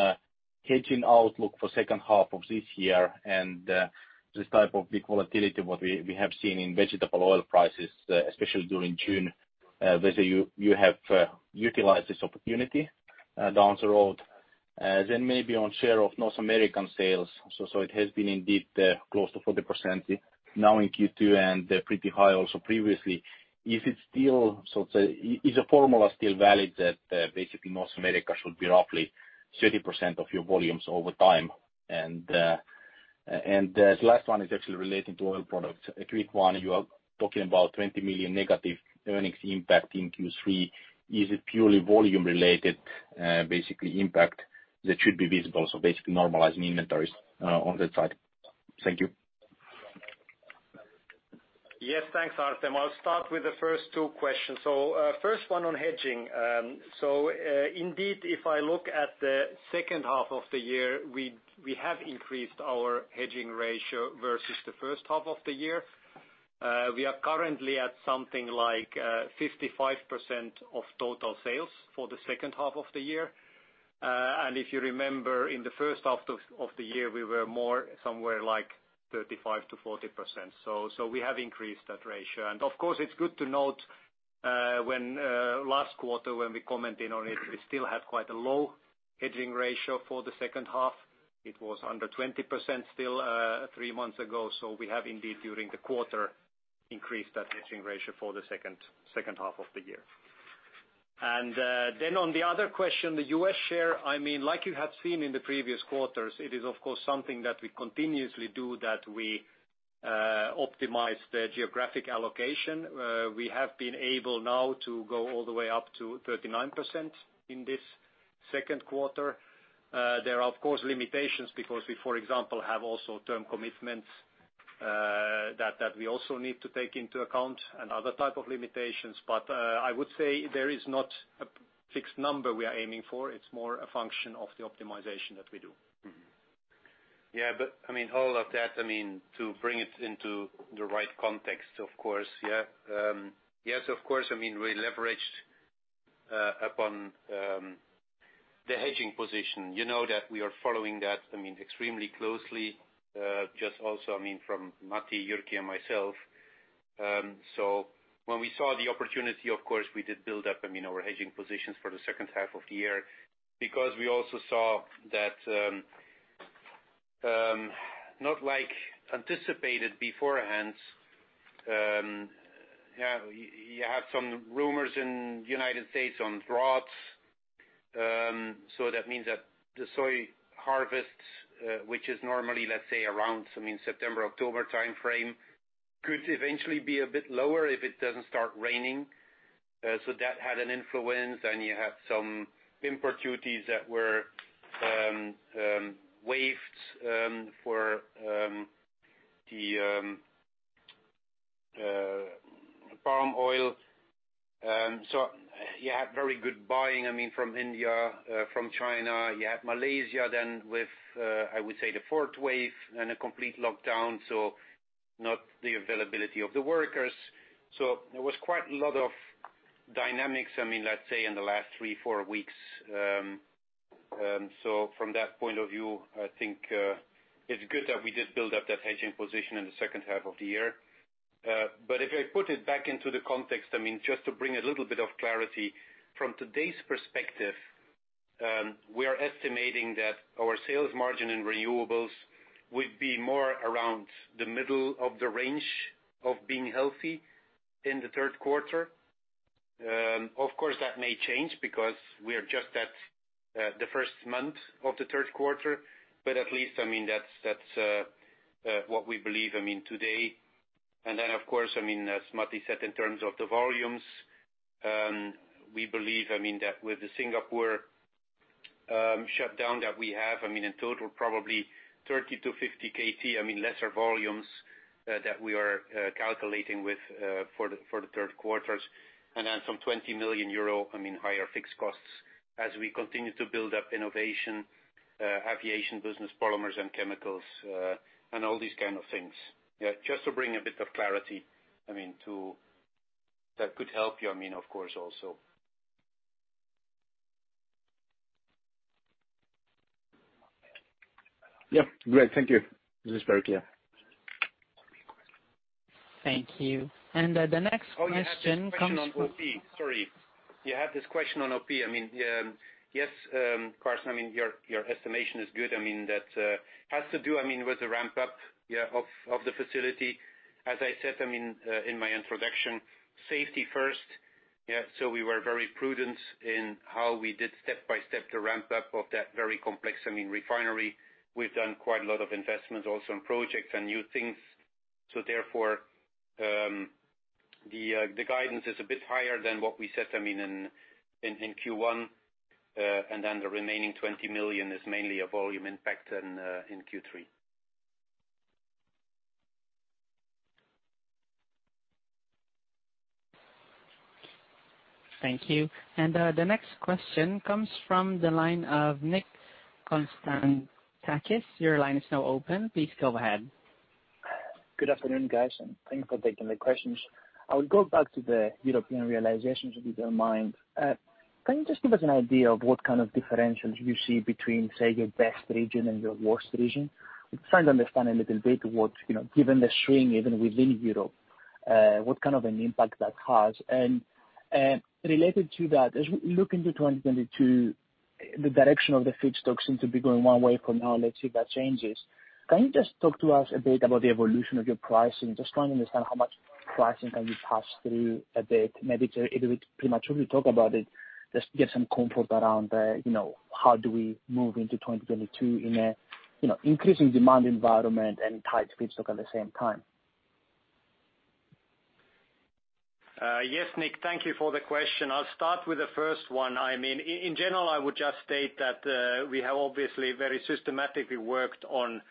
hedging outlook for second half of this year and this type of big volatility what we have seen in vegetable oil prices, especially during June, whether you have utilized this opportunity down the road? Maybe on share of North American sales. It has been indeed close to 40% now in Q2 and pretty high also previously. Is a formula still valid that basically North America should be roughly 30% of your volumes over time? The last one is actually relating to Oil Products. A quick one, you are talking about 20 million negative earnings impact in Q3. Is it purely volume related basically impact that should be visible? Basically normalizing inventories on that side. Thank you. Yes. Thanks, Artem. I'll start with the first two questions. First one on hedging. Indeed, if I look at the second half of the year, we have increased our hedging ratio versus the first half of the year. We are currently at something like 55% of total sales for the second half of the year. If you remember, in the first half of the year, we were more somewhere like 35%-40%. We have increased that ratio. Of course, it's good to note when last quarter when we commented on it, we still had quite a low hedging ratio for the second half. It was under 20% still three months ago. We have indeed during the quarter increased that hedging ratio for the second half of the year. On the other question, the U.S. share, like you have seen in the previous quarters, it is, of course, something that we continuously do, that we optimize the geographic allocation. We have been able now to go all the way up to 39% in this second quarter. There are, of course, limitations because we, for example, have also term commitments that we also need to take into account and other type of limitations. I would say there is not a fixed number we are aiming for. It's more a function of the optimization that we do. All of that, to bring it into the right context, of course. Yes, of course, we leveraged upon the hedging position. You know that we are following that extremely closely, just also from Matti, Jyrki and myself. When we saw the opportunity, of course, we did build up our hedging positions for the second half of the year, because we also saw that not like anticipated beforehand, you had some rumors in United States on droughts. That means that the soy harvest, which is normally, let's say, around September, October timeframe, could eventually be a bit lower if it doesn't start raining. That had an influence. You had some import duties that were waived for the palm oil. You had very good buying from India, from China. You had Malaysia then with, I would say, the fourth wave and a complete lockdown, not the availability of the workers. There was quite a lot of dynamics, let's say, in the last three, four weeks. From that point of view, I think it's good that we did build up that hedging position in the second half of the year. If I put it back into the context, just to bring a little bit of clarity, from today's perspective, we are estimating that our sales margin in renewables will be more around the middle of the range of being healthy in the third quarter. Of course, that may change because we are just at the first month of the third quarter, but at least that's what we believe today. Of course, as Matti said, in terms of the volumes, we believe that with the Singapore shutdown that we have, in total probably 30-50 kt, lesser volumes that we are calculating with for the third quarters, and then some 20 million euro higher fixed costs as we continue to build up innovation, aviation business, polymers and chemicals, and all these kind of things. Just to bring a bit of clarity that could help you, of course, also. Yeah. Great. Thank you. This is very clear. Thank you. The next question comes. You have this question on OP. Sorry. You have this question on OP. Yes, <audio distortion> your estimation is good. That has to do with the ramp up of the facility. As I said in my introduction, safety first. We were very prudent in how we did step by step to ramp up of that very complex refinery. We've done quite a lot of investment also on projects and new things. Therefore, the guidance is a bit higher than what we set in Q1. The remaining 20 million is mainly a volume impact in Q3. Thank you. The next question comes from the line of Nick Konstantakis. Your line is now open. Please go ahead. Good afternoon, guys. Thanks for taking the questions. I would go back to the European realizations, if you don't mind. Can you just give us an idea of what kind of differentials you see between, say, your best region and your worst region? I'm trying to understand a little bit what, given the swing even within Europe, what kind of an impact that has. Related to that, as we look into 2022, the direction of the feedstocks seem to be going one way from now. Let's see if that changes. Can you just talk to us a bit about the evolution of your pricing? I'm just trying to understand how much pricing can you pass through a bit. Maybe it would pretty much, if you talk about it, just get some comfort around how do we move into 2022 in an increasing demand environment and tight feedstock at the same time. Nick, thank you for the question. I'll start with the first one. In general, I would just state that we have obviously very systematically worked on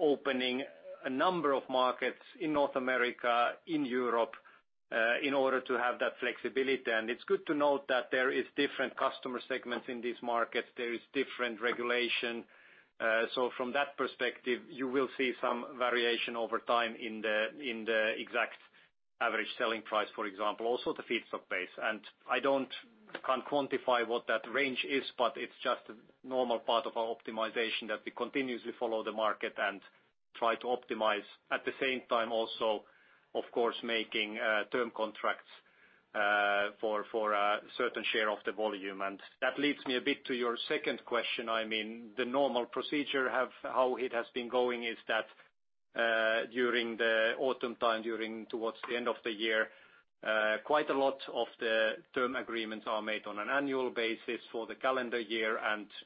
opening a number of markets in North America, in Europe, in order to have that flexibility. It's good to note that there is different customer segments in these markets. There is different regulation. From that perspective, you will see some variation over time in the exact average selling price, for example, also the feedstock base. I can't quantify what that range is, but it's just a normal part of our optimization that we continuously follow the market and try to optimize. At the same time also, of course, making term contracts for a certain share of the volume. That leads me a bit to your second question. The normal procedure, how it has been going is that, during the autumn time, towards the end of the year. Quite a lot of the term agreements are made on an annual basis for the calendar year.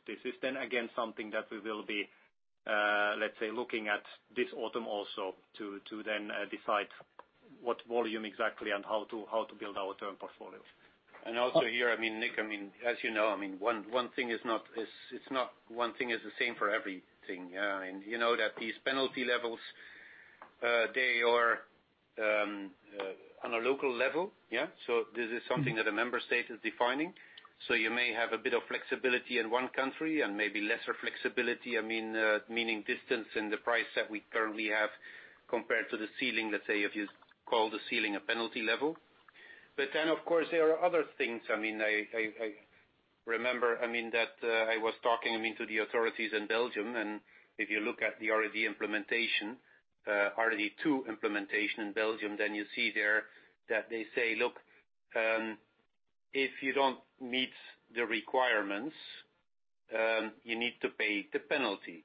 This is then again, something that we will be, let's say, looking at this autumn also to then decide what volume exactly and how to build our term portfolio. Also here, Nick, as you know, one thing is the same for everything. You know that these penalty levels, they are on a local level. Yeah. This is something that a member state is defining. You may have a bit of flexibility in one country and maybe lesser flexibility, meaning distance in the price that we currently have compared to the ceiling, let's say, if you call the ceiling a penalty level. Of course, there are other things. I remember that I was talking to the authorities in Belgium, and if you look at the RED implementation, RED II implementation in Belgium, then you see there that they say, "Look, if you don't meet the requirements, you need to pay the penalty.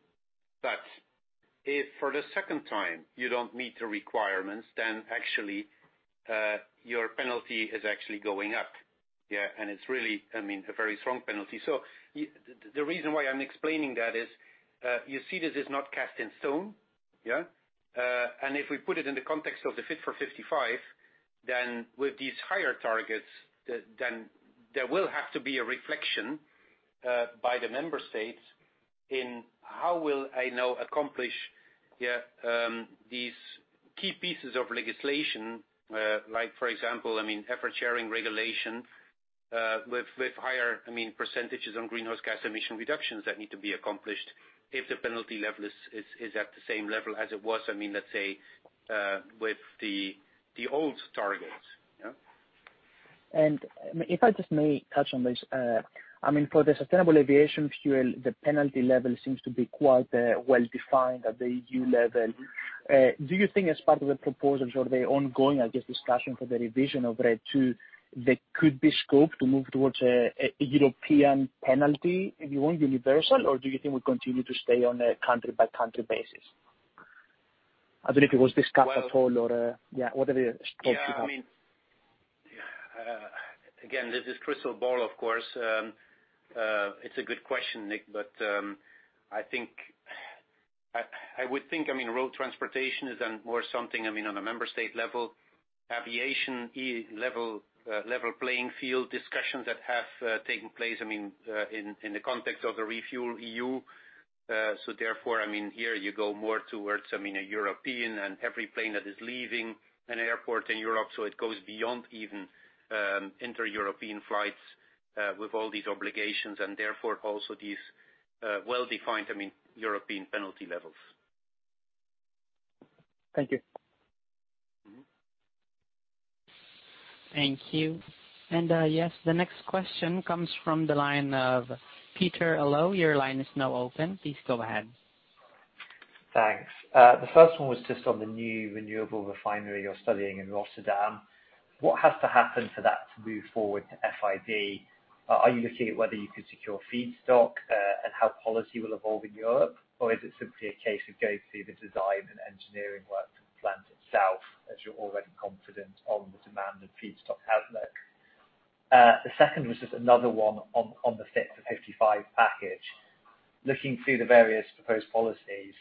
If for the second time you don't meet the requirements, then actually, your penalty is actually going up." Yeah. It's really a very strong penalty. The reason why I'm explaining that is, you see this is not cast in stone. Yeah. If we put it in the context of the Fit for 55, then with these higher targets, then there will have to be a reflection by the member states in how will I now accomplish these key pieces of legislation, like for example, Effort Sharing Regulation, with higher percentage on greenhouse gas emission reductions that need to be accomplished if the penalty level is at the same level as it was, let's say, with the old targets. Yeah. If I just may touch on this, for the sustainable aviation fuel, the penalty level seems to be quite well-defined at the EU level. Do you think as part of the proposals or the ongoing, I guess, discussion for the revision of RED II, there could be scope to move towards a European penalty, if you want, universal? Do you think we continue to stay on a country-by-country basis? I don't know if it was discussed at all or, yeah, whatever you spoke about. Yeah. Again, this is crystal ball, of course. It's a good question, Nick. I would think road transportation is more something on a member state level. Aviation level playing field discussions that have taken place in the context of the ReFuelEU. Therefore, here you go more towards a European and every plane that is leaving an airport in Europe, it goes beyond even inter-European flights, with all these obligations and therefore also these well-defined European penalty levels. Thank you. Thank you. Yes, the next question comes from the line of Peter Low. Your line is now open. Please go ahead. Thanks. The first one was just on the new renewable refinery you're studying in Rotterdam. What has to happen for that to move forward to FID? Are you looking at whether you could secure feedstock and how policy will evolve in Europe? Or is it simply a case of go through the design and engineering work for the plant itself, as you're already confident on the demand and feedstock outlook? The second was just another one on the Fit for 55 package. Looking through the various proposed policies,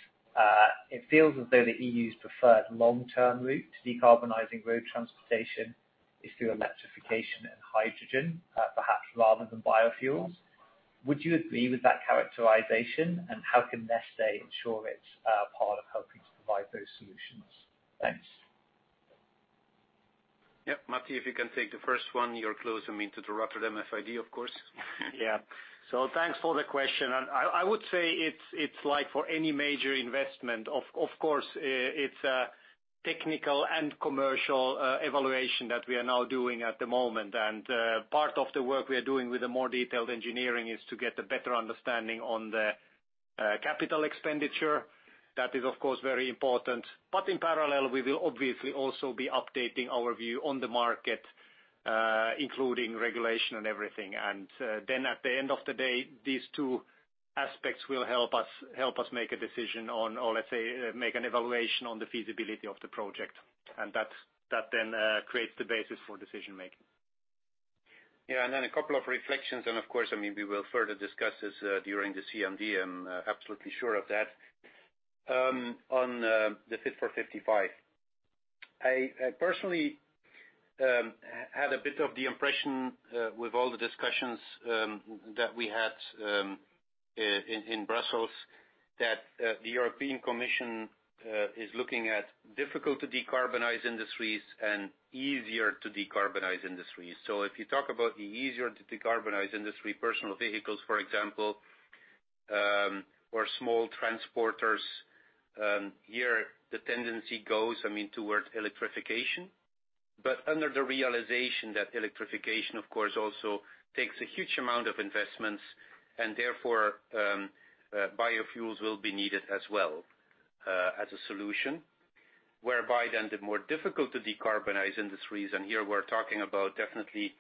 it feels as though the EU's preferred long-term route to decarbonizing road transportation is through electrification and hydrogen, perhaps rather than biofuels. Would you agree with that characterization, and how can Neste ensure it's a part of helping to provide those solutions? Thanks. Yep. Matti, if you can take the first one, you're closer to the Rotterdam FID, of course. Yeah. Thanks for the question, I would say it's like for any major investment, of course, it's a technical and commercial evaluation that we are now doing at the moment. Part of the work we are doing with the more detailed engineering is to get a better understanding on the capital expenditure. That is, of course, very important. In parallel, we will obviously also be updating our view on the market, including regulation and everything. At the end of the day, these two aspects will help us make a decision on or let's say, make an evaluation on the feasibility of the project. That creates the basis for decision-making. Yeah. A couple of reflections, and of course, we will further discuss this during the CMD, I'm absolutely sure of that. On the Fit for 55, I personally had a bit of the impression with all the discussions that we had in Brussels, that the European Commission is looking at difficult to decarbonize industries and easier to decarbonize industries. If you talk about the easier to decarbonize industry, personal vehicles, for example, or small transporters, here the tendency goes towards electrification. Under the realization that electrification, of course, also takes a huge amount of investments, and therefore, biofuels will be needed as well as a solution. The more difficult to decarbonize industries, and here we're talking about definitely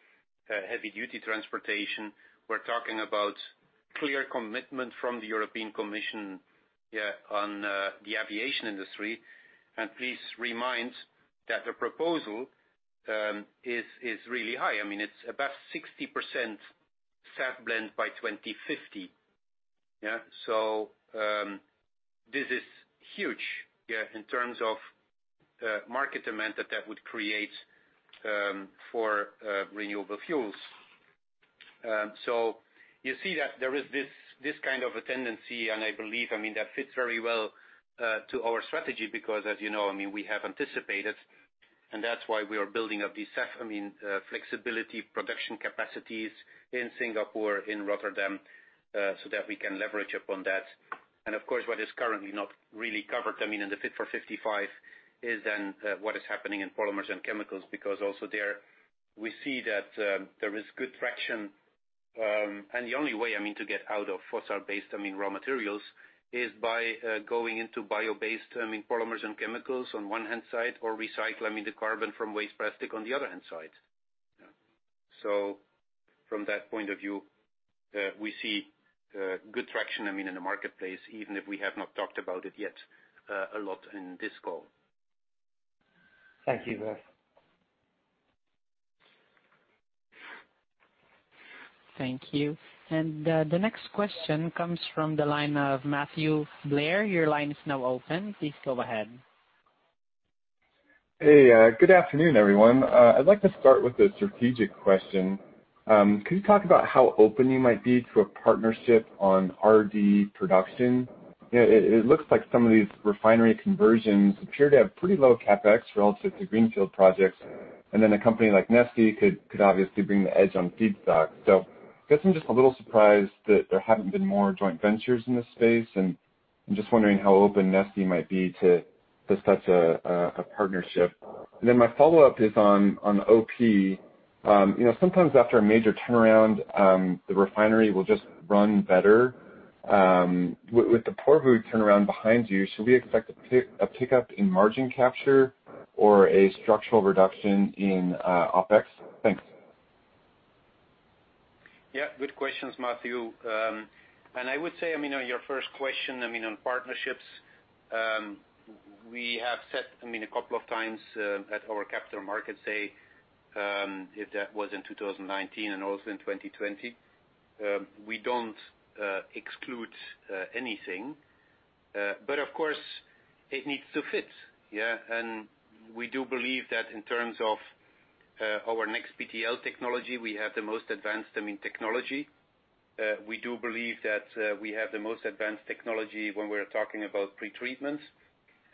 heavy duty transportation. We're talking about clear commitment from the European Commission on the aviation industry. Please remind that the proposal is really high. It's about 60% SAF blend by 2050. This is huge in terms of market demand that would create for renewable fuels. You see that there is this kind of a tendency, and I believe that fits very well to our strategy because as you know, we have anticipated, and that's why we are building up the SAF, flexibility production capacities in Singapore, in Rotterdam, so that we can leverage upon that. Of course, what is currently not really covered in the Fit for 55 is then what is happening in polymers and chemicals, because also there we see that there is good traction. The only way to get out of fossil-based raw materials is by going into bio-based polymers and chemicals on one hand side, or recycle the carbon from waste plastic on the other hand side. From that point of view, we see good traction in the marketplace, even if we have not talked about it yet a lot in this call. Thank you. <audio distortion> Thank you. The next question comes from the line of Matthew Blair. Your line is now open. Please go ahead. Hey, good afternoon, everyone. I'd like to start with a strategic question. Could you talk about how open you might be to a partnership on RD production? It looks like some of these refinery conversions appear to have pretty low CapEx relative to greenfield projects, and a company like Neste could obviously bring the edge on feed prices. Guess I'm just a little surprised that there haven't been more joint ventures in this space, and I'm just wondering how open Neste might be to such a partnership. My follow-up is on OP. Sometimes after a major turnaround, the refinery will just run better. With the Porvoo turnaround behind you, should we expect a pickup in margin capture or a structural reduction in OpEx? Thanks. Yeah, good questions, Matthew. I would say on your first question, on partnerships, we have said a couple of times at our Capital Markets Day, if that was in 2019 and also in 2020. We don't exclude anything. Of course, it needs to fit. We do believe that in terms of our NExBTL technology, we have the most advanced technology. We do believe that we have the most advanced technology when we're talking about pretreatment.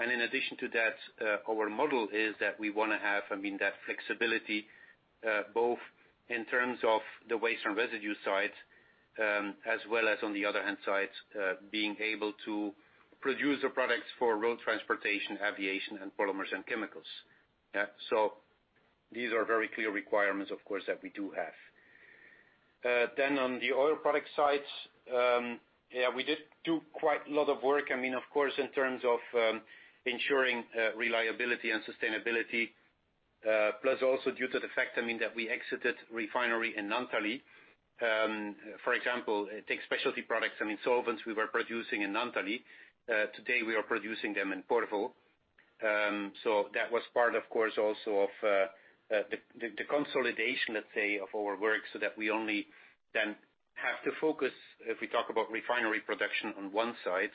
In addition to that, our model is that we want to have that flexibility, both in terms of the waste and residue side, as well as on the other hand side, being able to produce the products for road transportation, aviation, and polymers and chemicals. These are very clear requirements, of course, that we do have. On the Oil Products side, we did do quite a lot of work, of course, in terms of ensuring reliability and sustainability. Also due to the fact that we exited refinery in Naantali. For example, take specialty products and solvents we were producing in Naantali. Today we are producing them in Porvoo. That was part, of course, also of the consolidation, let's say, of our work, so that we only then have to focus if we talk about refinery production on one side.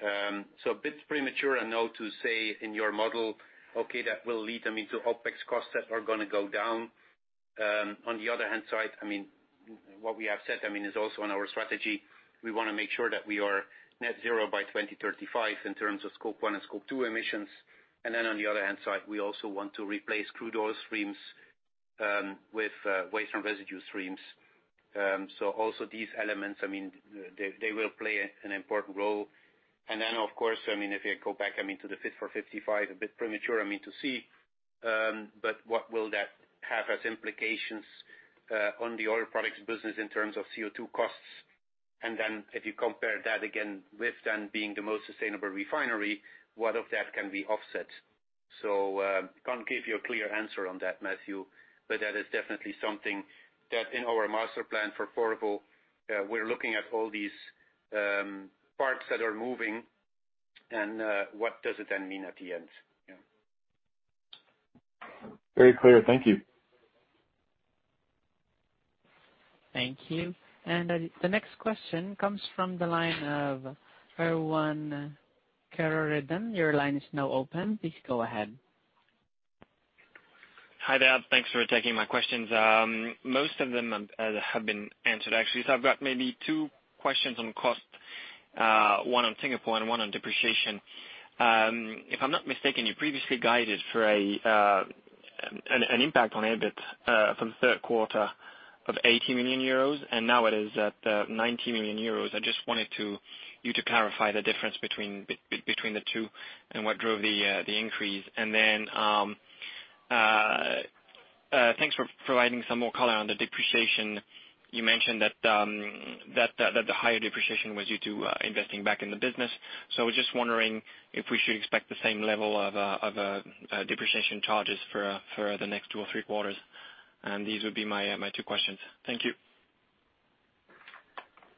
A bit premature I know to say in your model, okay, that will lead into OpEx costs that are going to go down. On the other hand side, what we have said is also in our strategy. We want to make sure that we are net zero by 2035 in terms of Scope 1 and Scope 2 emissions. On the other hand side, we also want to replace crude oil streams with waste and residue streams. Also these elements, they will play an important role. Of course, if you go back to the Fit for 55, a bit premature to see, but what will that have as implications on the oil products business in terms of CO2 costs? If you compare that again with then being the most sustainable refinery, what of that can be offset? Can't give you a clear answer on that, Matthew, but that is definitely something that in our master plan for Porvoo, we're looking at all these parts that are moving and what does it then mean at the end? Very clear. Thank you. Thank you. The next question comes from the line of Erwan Kerouredan. Your line is now open. Please go ahead. Hi there. Thanks for taking my questions. Most of them have been answered actually. I've got maybe two questions on cost, one on Singapore and one on depreciation. If I'm not mistaken, you previously guided for an impact on EBIT from the third quarter of 80 million euros, and now it is at 90 million euros. I just wanted you to clarify the difference between the two and what drove the increase. Thanks for providing some more color on the depreciation. You mentioned that the higher depreciation was due to investing back in the business. I was just wondering if we should expect the same level of depreciation charges for the next two or three quarters. These would be my two questions. Thank you.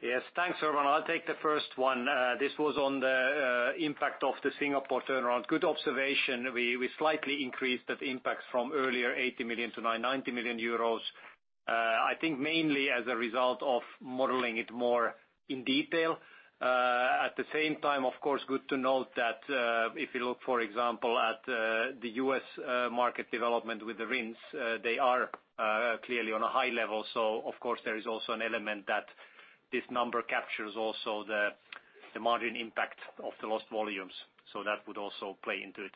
Yes, thanks, Erwan. I'll take the first one. This was on the impact of the Singapore turnaround. Good observation. We slightly increased that impact from earlier 80 million-90 million euros, I think mainly as a result of modeling it more in detail. At the same time, of course, good to note that, if you look, for example, at the U.S. market development with the RINs, they are clearly on a high level. Of course, there is also an element that this number captures also the margin impact of the lost volumes. That would also play into it.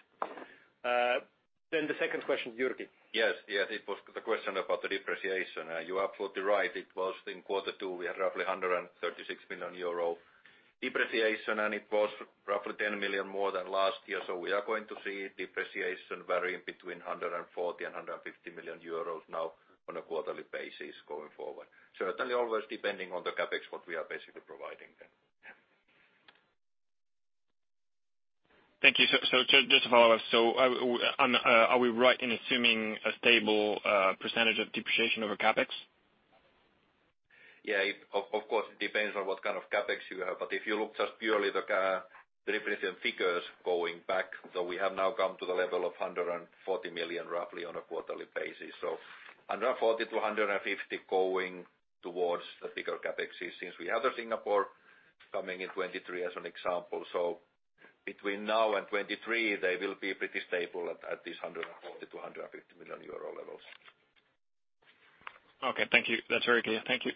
The second question, Jyrki. Yes. It was the question about the depreciation. You are absolutely right. It was in quarter two, we had roughly 136 million euro depreciation, and it was roughly 10 million more than last year. We are going to see depreciation varying between 140 and 150 million euros now on a quarterly basis going forward. Certainly always depending on the CapEx, what we are basically providing then. Thank you. Just to follow up, are we right in assuming a stable percentage of depreciation over CapEx? Yeah. Of course, it depends on what kind of CapEx you have. If you look just purely the depreciation figures going back, though we have now come to the level of 140 million roughly on a quarterly basis. 140-150 going towards the bigger CapEx since we have the Singapore coming in 2023, as an example. Between now and 2023, they will be pretty stable at these 140 million-150 million euro levels. Okay. Thank you. That's very clear. Thank you.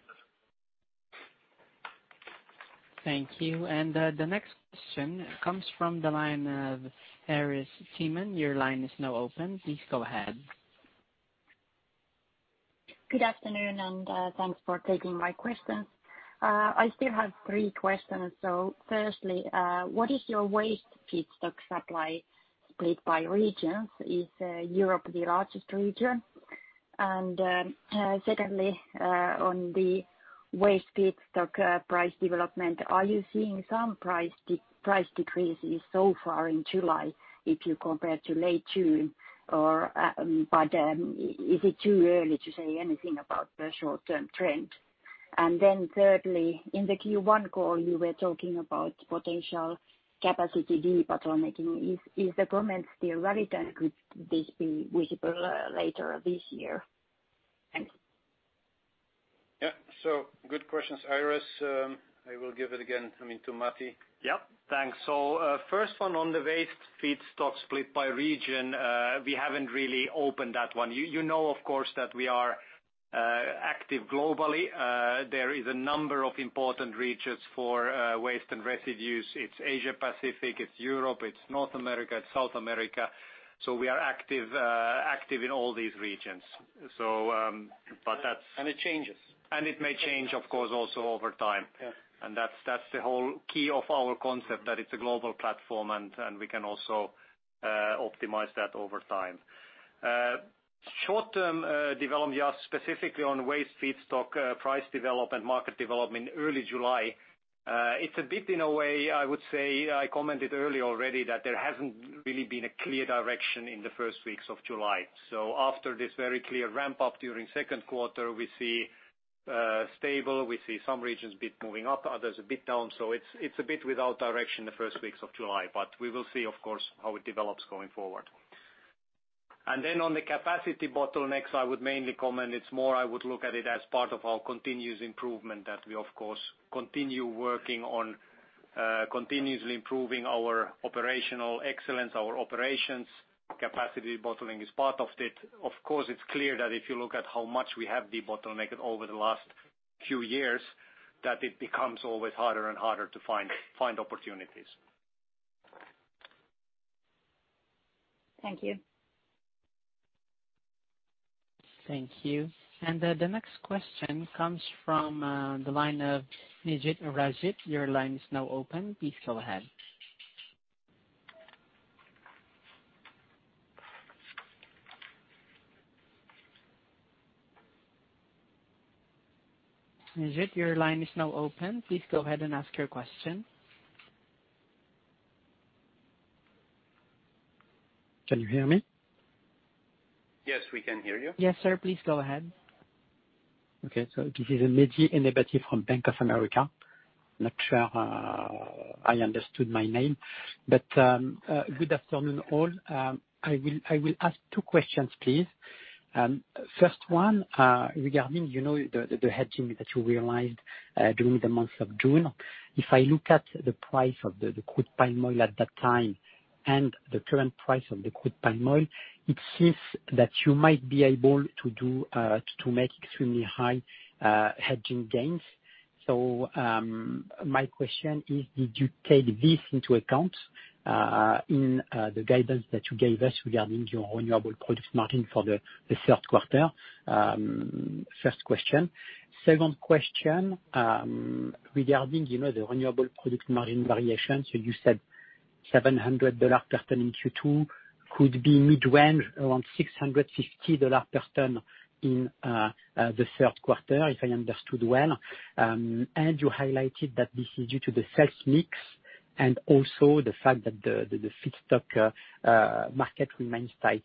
Thank you. The next question comes from the line of Iiris Theman. Your line is now open. Please go ahead. Good afternoon, thanks for taking my questions. I still have three questions, though. Firstly, what is your waste feedstock supply split by regions? Is Europe the largest region? Secondly, on the waste feedstock price development, are you seeing some price decreases so far in July if you compare to late June? Is it too early to say anything about the short-term trend? Thirdly, in the Q1 call, you were talking about potential capacity debottlenecking. Is the comment still relevant? Could this be visible later this year? Thanks. Yeah. Good questions, Iiris. I will give it again to Matti. Yeah. Thanks. First one on the waste feedstock split by region, we haven't really opened that one. You know, of course, that we are active globally. There is a number of important regions for waste and residues. It's Asia-Pacific, it's Europe, it's North America, it's South America. We are active in all these regions. It changes. It may change, of course, also over time. Yeah. That's the whole key of our concept, that it's a global platform, and we can also optimize that over time. Short-term development, you ask specifically on waste feedstock price development, market development, early July. It's a bit in a way, I would say I commented earlier already that there hasn't really been a clear direction in the first weeks of July. After this very clear ramp-up during second quarter, we see stable, we see some regions a bit moving up, others a bit down. It's a bit without direction the first weeks of July. We will see, of course, how it develops going forward. On the capacity bottlenecks, I would mainly comment, it's more I would look at it as part of our continuous improvement that we, of course, continue working on continuously improving our operational excellence, our operations. Capacity bottling is part of it. Of course, it is clear that if you look at how much we have debottlenecked over the last few years, that it becomes always harder and harder to find opportunities. Thank you. Thank you. The next question comes from the line of Mehdi. <audio distortion> Your line is now open. Please go ahead. Mehdi, your line is now open. Please go ahead and ask your question. Can you hear me? Yes, we can hear you. Yes, sir. Please go ahead. This is Mehdi Ennebati from Bank of America. Not sure I understood my name. Good afternoon, all. I will ask two questions, please. First one, regarding the hedging that you realized during the month of June. If I look at the price of the crude palm oil at that time and the current price of the crude palm oil, it seems that you might be able to make extremely high hedging gains. My question is, did you take this into account in the guidance that you gave us regarding your renewable product margin for the third quarter? First question. Second question, regarding the renewable product margin variation. You said EUR 700 per ton in Q2 could be mid-range around EUR 650 per ton in the third quarter, if I understood well. You highlighted that this is due to the sales mix and also the fact that the feedstock market remains tight.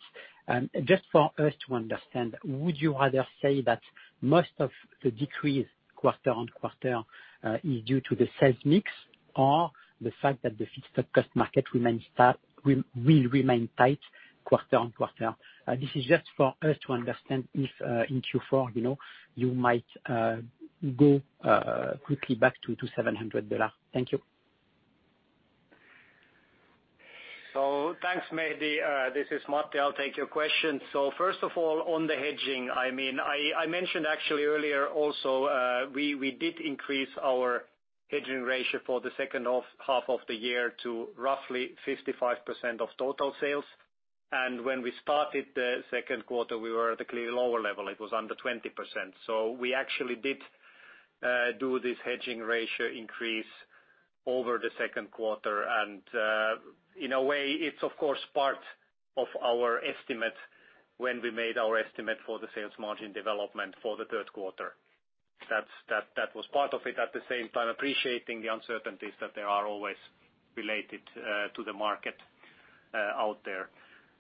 Just for us to understand, would you rather say that most of the decrease quarter-on-quarter is due to the sales mix, or the fact that the feedstock cost market will remain tight quarter-on-quarter? This is just for us to understand if, in Q4, you might go quickly back to EUR 700. Thank you. Thanks, Mehdi. This is Matti. I'll take your question. First of all, on the hedging, I mentioned actually earlier also, we did increase our hedging ratio for the second half of the year to roughly 55% of total sales. When we started the second quarter, we were at a clearly lower level. It was under 20%. We actually did do this hedging ratio increase over the second quarter, and, in a way, it's of course part of our estimate when we made our estimate for the sales margin development for the third quarter. That was part of it. At the same time, appreciating the uncertainties that there are always related to the market out there.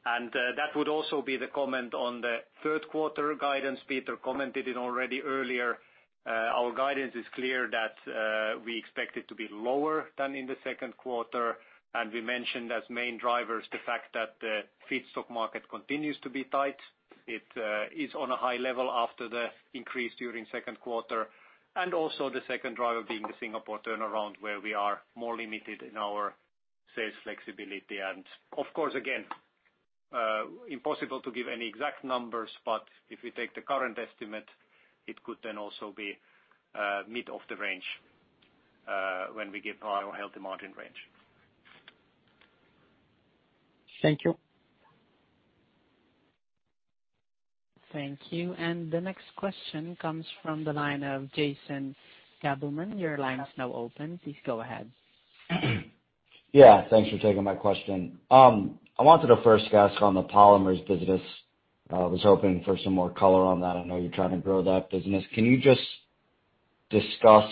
That would also be the comment on the third quarter guidance. Peter commented it already earlier. Our guidance is clear that we expect it to be lower than in the second quarter, and we mentioned as main drivers the fact that the feedstock market continues to be tight. It is on a high level after the increase during second quarter. Also the second driver being the Singapore turnaround, where we are more limited in our sales flexibility. Of course, again, impossible to give any exact numbers, but if we take the current estimate, it could then also be mid of the range, when we give our healthy margin range. Thank you. Thank you. The next question comes from the line of Jason Gabelman. Your line is now open. Please go ahead. Yeah, thanks for taking my question. I wanted to first ask on the polymers business. I was hoping for some more color on that. I know you're trying to grow that business. Can you just discuss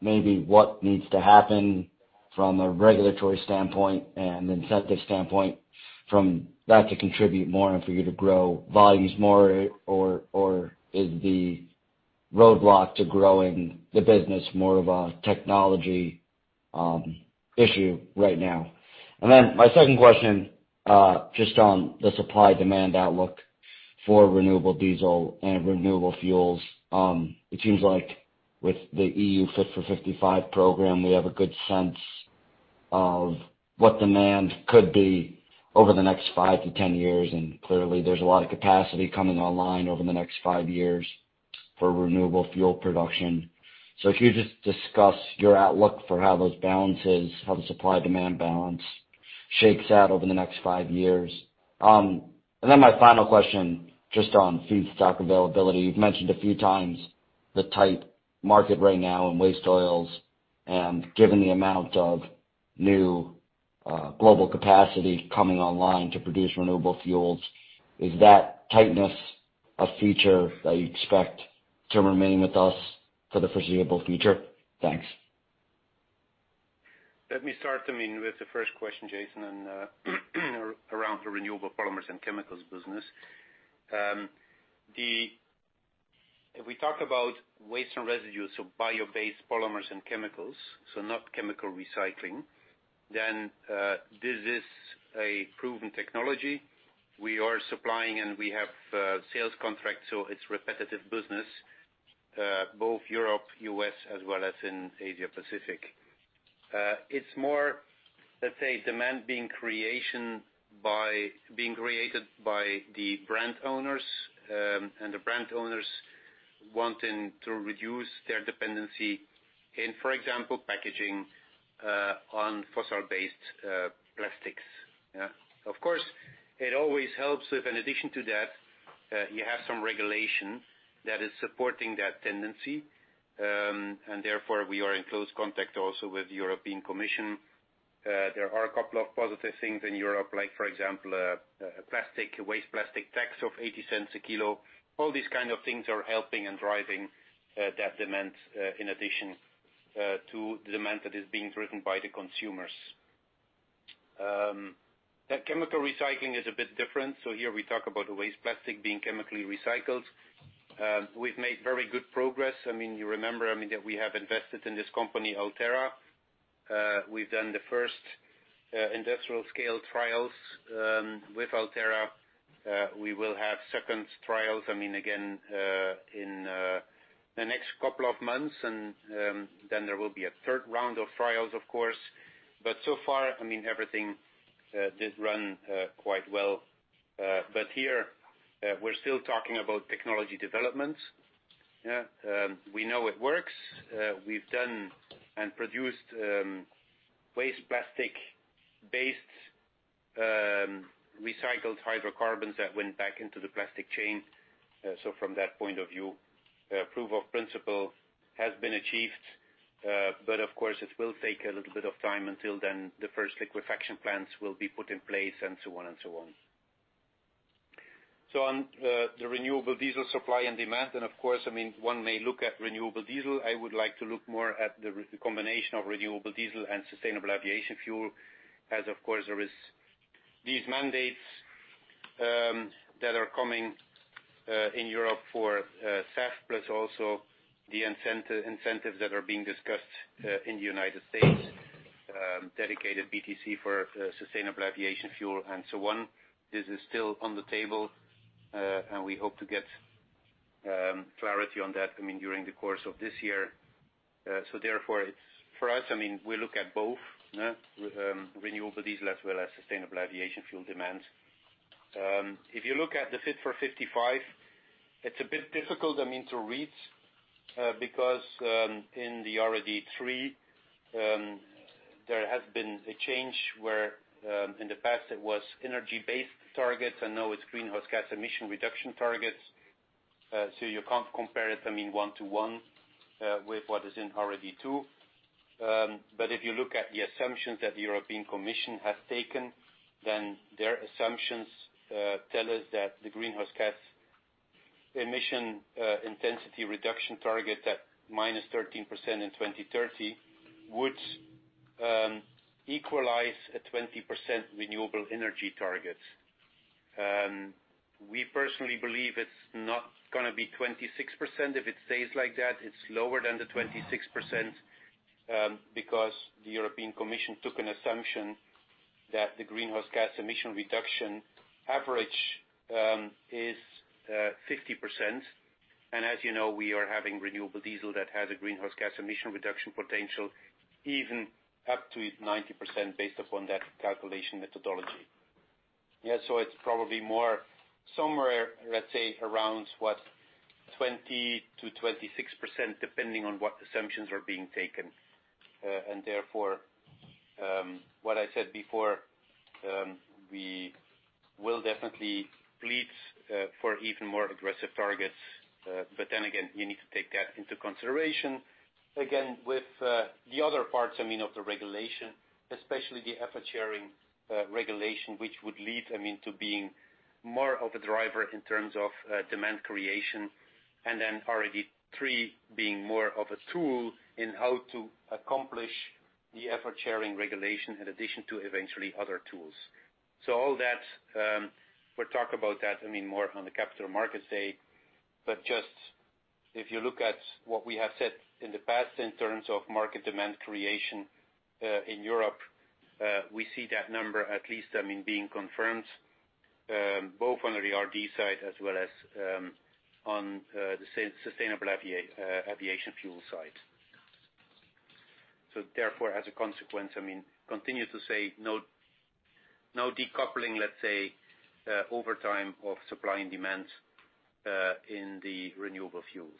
maybe what needs to happen from a regulatory standpoint and incentive standpoint from that to contribute more and for you to grow volumes more? Or is the roadblock to growing the business more of a technology issue right now? Then my second question, just on the supply-demand outlook for renewable diesel and renewable fuels. It seems like with the EU Fit for 55 program, we have a good sense of what demand could be over the next 5-10 years, and clearly there's a lot of capacity coming online over the next five years for renewable fuel production. If you just discuss your outlook for how those balances, how the supply-demand balance shakes out over the next five years. Then my final question, just on feedstock availability. You've mentioned a few times the tight market right now in waste oils, and given the amount of new global capacity coming online to produce renewable fuels, is that tightness a feature that you expect to remain with us for the foreseeable future? Thanks. Let me start with the first question, Jason, around the renewable polymers and chemicals business. If we talk about waste and residues of bio-based polymers and chemicals, not chemical recycling, this is a proven technology. We are supplying and we have sales contracts, it's repetitive business, both Europe, U.S., as well as in Asia Pacific. It's more, let's say, demand being created by the brand owners, the brand owners wanting to reduce their dependency in, for example, packaging on fossil-based plastics. Of course, it always helps if in addition to that, you have some regulation that is supporting that tendency. Therefore, we are in close contact also with the European Commission. There are a couple of positive things in Europe, like for example, a waste plastic tax of 0.80 a kilo. All these kind of things are helping and driving that demand, in addition to the demand that is being driven by the consumers. The chemical recycling is a bit different. Here we talk about the waste plastic being chemically recycled. We've made very good progress. You remember that we have invested in this company, Alterra. We've done the first industrial scale trials, with Alterra. We will have second trials, again, in the next couple of months, and then there will be a third round of trials, of course. So far, everything did run quite well. Here, we're still talking about technology development. We know it works. We've done and produced waste plastic-based. Recycled hydrocarbons that went back into the plastic chain. From that point of view, proof of principle has been achieved. Of course, it will take a little bit of time until then the first liquefaction plants will be put in place, and so on. On the renewable diesel supply and demand, and of course, one may look at renewable diesel, I would like to look more at the combination of renewable diesel and sustainable aviation fuel. As, of course, there is these mandates that are coming, in Europe for SAF, plus also the incentives that are being discussed in United States, dedicated BTC for sustainable aviation fuel and so on. This is still on the table, and we hope to get clarity on that during the course of this year. Therefore, for us, we look at both renewable diesel as well as sustainable aviation fuel demand. If you look at the Fit for 55, it's a bit difficult to read because, in the RED III, there has been a change where in the past it was energy-based targets, and now it's greenhouse gas emission reduction targets. You can't compare it one to one with what is in RED II. If you look at the assumptions that the European Commission has taken, then their assumptions tell us that the greenhouse gas emission intensity reduction target at -13% in 2030 would equalize a 20% renewable energy target. We personally believe it's not going to be 26% if it stays like that. It's lower than the 26%, because the European Commission took an assumption that the greenhouse gas emission reduction average is 50%. As you know, we are having renewable diesel that has a greenhouse gas emission reduction potential even up to 90% based upon that calculation methodology. It's probably more somewhere, let's say, around 20%-26%, depending on what assumptions are being taken. Therefore, what I said before, we will definitely plead for even more aggressive targets. Again, you need to take that into consideration. Again, with the other parts of the regulation, especially the Effort Sharing Regulation, which would lead to being more of a driver in terms of demand creation, and then RED III being more of a tool in how to accomplish the Effort Sharing Regulation in addition to eventually other tools. All that, we'll talk about that more on the Capital Markets Day. Just, if you look at what we have said in the past in terms of market demand creation in Europe, we see that number at least being confirmed, both on the RD side as well as on the sustainable aviation fuel side. Therefore, as a consequence, continue to say no decoupling, let's say, over time of supply and demand in the renewable fuels.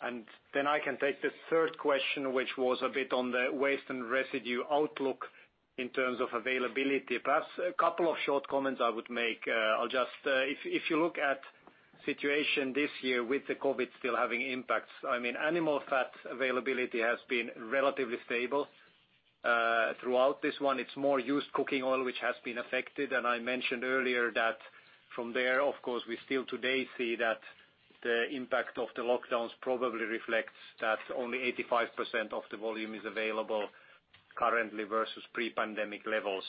I can take the third question, which was a bit on the waste and residue outlook in terms of availability. Perhaps a couple of short comments I would make. If you look at situation this year with the COVID still having impacts, animal fat availability has been relatively stable. Throughout this one, it's more used cooking oil, which has been affected. I mentioned earlier that from there, of course, we still today see that the impact of the lockdowns probably reflects that only 85% of the volume is available currently versus pre-pandemic levels.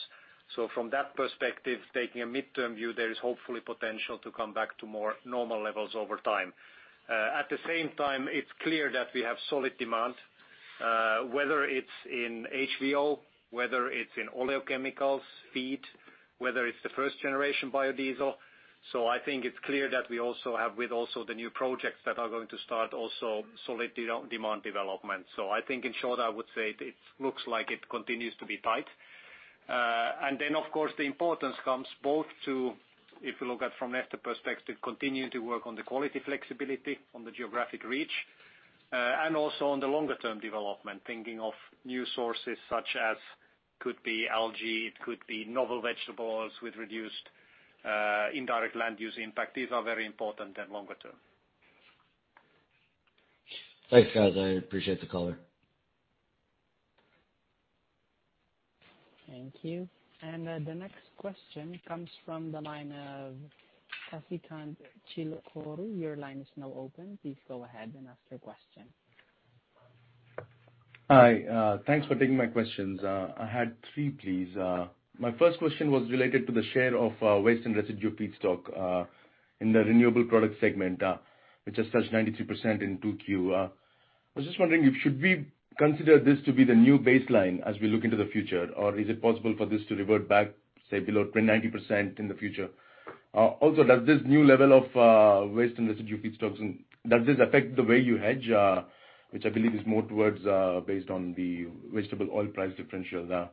From that perspective, taking a midterm view, there is hopefully potential to come back to more normal levels over time. At the same time, it's clear that we have solid demand, whether it's in HVO, whether it's in oleochemicals feed, whether it's the first-generation biodiesel. I think it's clear that we also have, with also the new projects that are going to start also, solid demand development. I think in short, I would say it looks like it continues to be tight. Of course, the importance comes both to, if you look at from Neste perspective, continuing to work on the quality flexibility on the geographic reach, and also on the longer-term development, thinking of new sources such as could be algae, it could be novel vegetables with reduced indirect land use impact. These are very important and longer term. Thanks, guys. I appreciate the call. Thank you. The next question comes from the line of Sasikanth Chilukuru. Your line is now open. Please go ahead and ask your question. Hi. Thanks for taking my questions. I had three, please. My first question was related to the share of waste and residue feedstock in the renewable product segment, which has touched 93% in 2Q. I was just wondering if should we consider this to be the new baseline as we look into the future, or is it possible for this to revert back, say, below 90% in the future? Does this new level of waste and residue feedstocks, does this affect the way you hedge, which I believe is more towards based on the vegetable oil price differential now?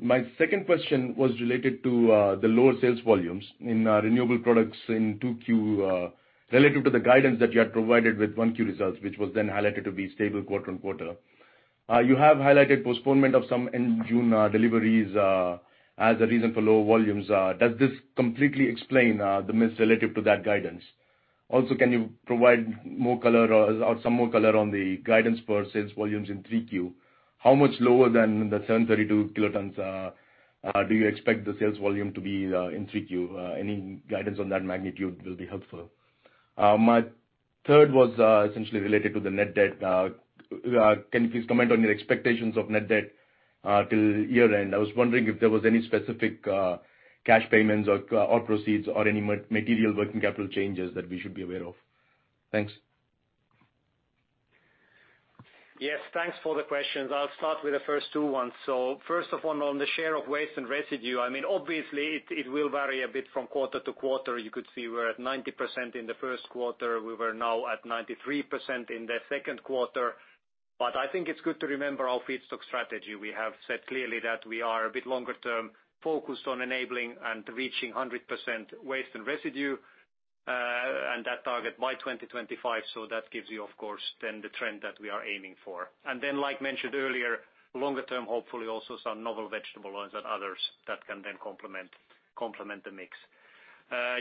My second question was related to the lower sales volumes in renewable products in 2Q relative to the guidance that you had provided with 1Q results, which was then highlighted to be stable quarter-on-quarter. You have highlighted postponement of some end June deliveries as a reason for low volumes. Does this completely explain the miss relative to that guidance? Also, can you provide some more color on the guidance for sales volumes in 3Q? How much lower than the 732 kilotons do you expect the sales volume to be in 3Q? Any guidance on that magnitude will be helpful. My third was essentially related to the net debt. Can you please comment on your expectations of net debt till year-end? I was wondering if there was any specific cash payments or proceeds or any material working capital changes that we should be aware of. Thanks. Yes, thanks for the questions. I'll start with the first two ones. First of one, on the share of waste and residue, obviously it will vary a bit from quarter to quarter. You could see we're at 90% in the first quarter. We were now at 93% in the second quarter. I think it's good to remember our feedstock strategy. We have said clearly that we are a bit longer term focused on enabling and reaching 100% waste and residue, and that target by 2025. That gives you, of course, then the trend that we are aiming for. Then, like mentioned earlier, longer term, hopefully also some novel vegetable oils and others that can then complement the mix.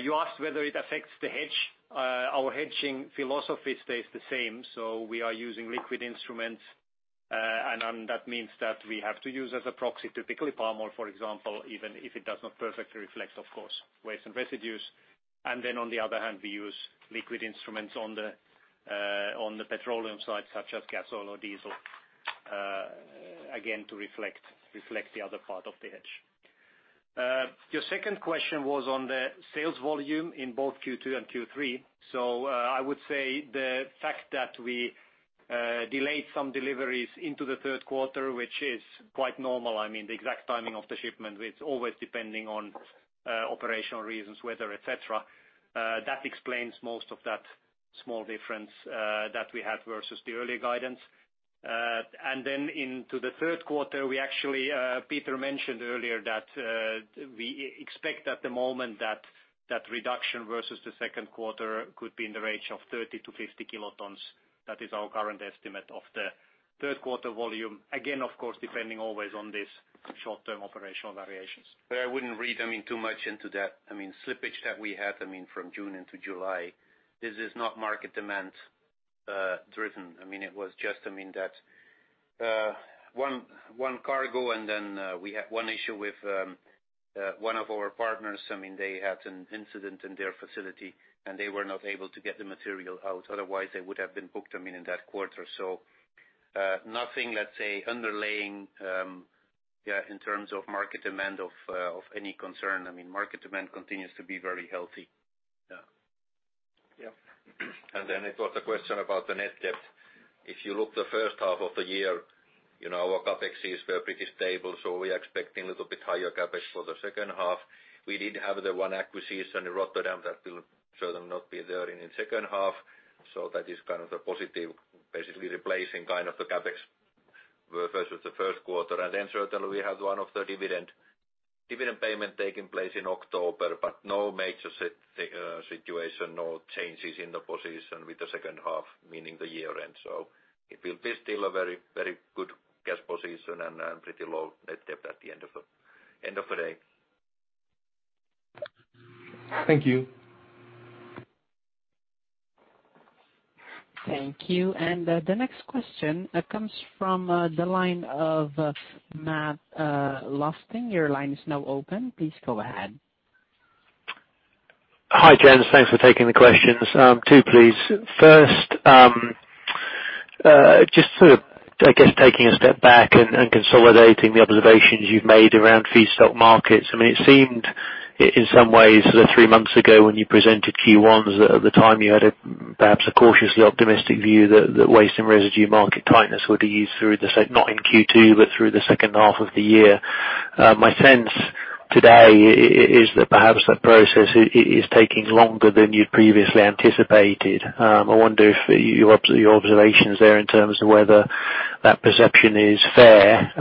You asked whether it affects the hedge. Our hedging philosophy stays the same. We are using liquid instruments, and that means that we have to use as a proxy, typically palm oil, for example, even if it does not perfectly reflect, of course, waste and residues. On the other hand, we use liquid instruments on the petroleum side, such as gasoline or diesel, again, to reflect the other part of the hedge. Your second question was on the sales volume in both Q2 and Q3. I would say the fact that we delayed some deliveries into the third quarter, which is quite normal, the exact timing of the shipment, it's always depending on operational reasons, weather, et cetera. That explains most of that small difference that we had versus the earlier guidance. Then into the third quarter, Peter mentioned earlier that we expect at the moment that reduction versus the second quarter could be in the range of 30-50 kilotons. That is our current estimate of the third quarter volume. Again, of course, depending always on these short-term operational variations. I wouldn't read too much into that. Slippage that we had from June into July, this is not market demand driven. It was just that one cargo, and then we had one issue with one of our partners. They had an incident in their facility, and they were not able to get the material out. Otherwise, they would have been booked in that quarter. Nothing, let's say, underlying in terms of market demand of any concern. Market demand continues to be very healthy. Yeah. It was a question about the net debt. If you look the first half of the year, our CapEx is pretty stable. We are expecting a little bit higher CapEx for the second half. We did have the one acquisition in Rotterdam that will certainly not be there in second half. That is kind of the positive, basically replacing kind of the CapEx versus the first quarter. Certainly we have one of the dividend payment taking place in October, but no major situation, no changes in the position with the second half, meaning the year-end. It will be still a very good cash position and pretty low net debt at the end of the day. Thank you. Thank you. The next question comes from the line of Matt Lofting. Your line is now open. Please go ahead. Hi, gents. Thanks for taking the questions. Two, please. First, just sort of, I guess, taking a step back and consolidating the observations you've made around feedstock markets. It seemed in some ways that three months ago when you presented Q1s, that at the time you had perhaps a cautiously optimistic view that waste and residue market tightness would ease, not in Q2, but through the second half of the year. My sense today is that perhaps that process is taking longer than you'd previously anticipated. I wonder your observations there in terms of whether that perception is fair,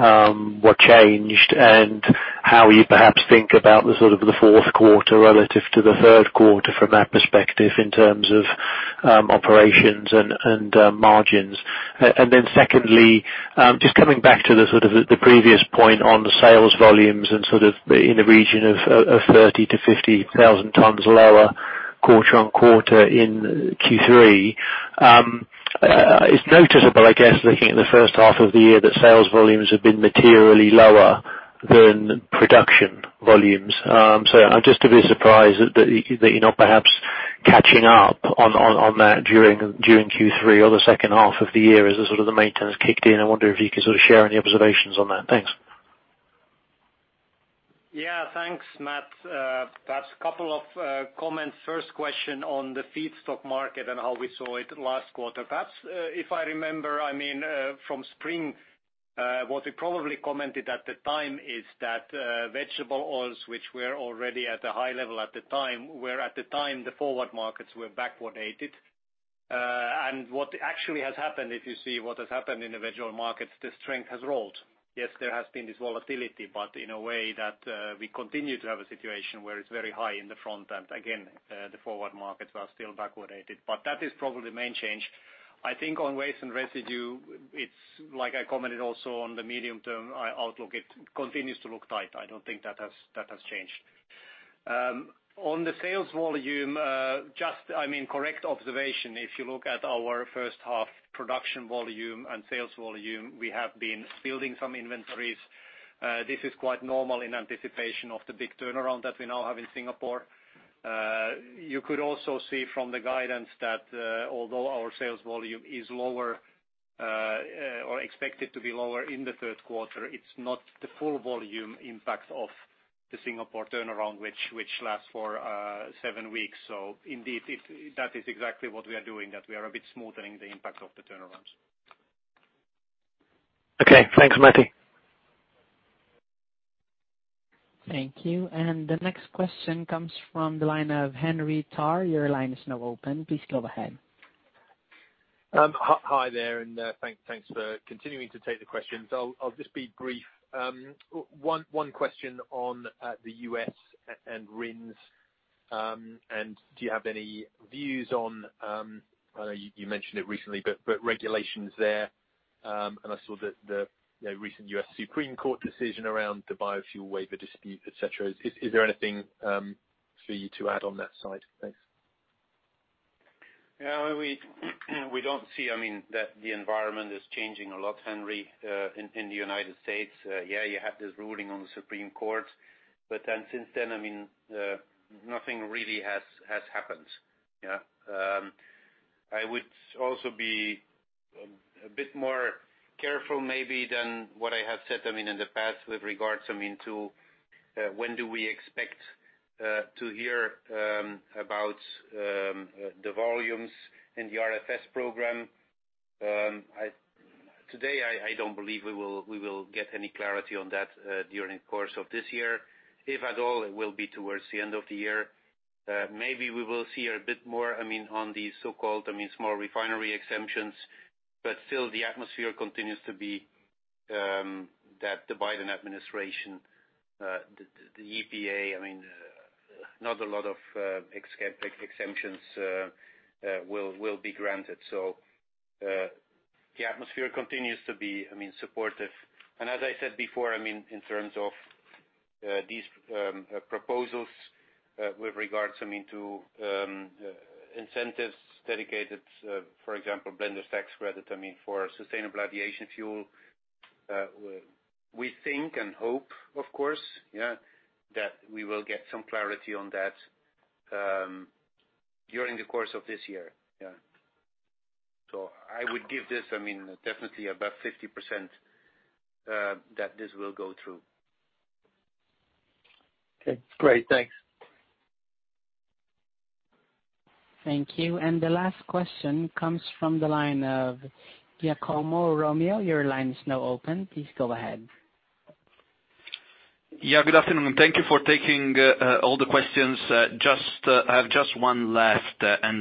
what changed, and how you perhaps think about the fourth quarter relative to the third quarter from that perspective in terms of operations and margins. Secondly, just coming back to the previous point on sales volumes and in the region of 30,000-50,000 tons lower quarter-on-quarter in Q3. It's noticeable, I guess, looking at the first half of the year, that sales volumes have been materially lower than production volumes. I'm just a bit surprised that you're not perhaps catching up on that during Q3 or the second half of the year as the maintenance kicked in. I wonder if you could share any observations on that. Thanks. Thanks, Matt. Couple of comments. First question on the feedstock market and how we saw it last quarter. If I remember from spring, what we probably commented at the time is that vegetable oils, which were already at a high level at the time, were at the time the forward markets were backwardated. What actually has happened, if you see what has happened in the vegetable markets, the strength has rolled. Yes, there has been this volatility, but in a way that we continue to have a situation where it's very high in the front end. The forward markets are still backwardated, that is probably the main change. I think on waste and residue, it's like I commented also on the medium-term outlook, it continues to look tight. I don't think that has changed. On the sales volume, correct observation. If you look at our first half production volume and sales volume, we have been building some inventories. This is quite normal in anticipation of the big turnaround that we now have in Singapore. You could also see from the guidance that although our sales volume is lower or expected to be lower in the third quarter, it's not the full volume impact of the Singapore turnaround, which lasts for seven weeks. Indeed, that is exactly what we are doing, that we are a bit smoothening the impact of the turnarounds. Okay, thanks, Matti. Thank you. The next question comes from the line of Henry Tarr. Your line is now open. Please go ahead. Hi there, and thanks for continuing to take the questions. I'll just be brief. 1 question on the U.S. and RINs, and do you have any views on, you mentioned it recently, but regulations there, and I saw the recent U.S. Supreme Court decision around the biofuel waiver dispute, et cetera. Is there anything for you to add on that side? Thanks. We don't see that the environment is changing a lot, Henry, in the United States. You have this ruling on the Supreme Court. Since then, nothing really has happened. I would also be a bit more careful maybe than what I have said in the past with regards to when do we expect to hear about the volumes in the RFS program. Today, I don't believe we will get any clarity on that during the course of this year. If at all, it will be towards the end of the year. Maybe we will see a bit more on the so-called small refinery exemptions, but still the atmosphere continues to be that the Biden administration, the EPA, not a lot of exemptions will be granted. The atmosphere continues to be supportive. As I said before, in terms of these proposals with regards to incentives dedicated, for example, blender's tax credit for sustainable aviation fuel, we think and hope, of course, that we will get some clarity on that during the course of this year. I would give this definitely above 50% that this will go through. Okay, great. Thanks. Thank you. The last question comes from the line of Giacomo Romeo. Your line is now open. Please go ahead. Yeah, good afternoon. Thank you for taking all the questions. I have just one last.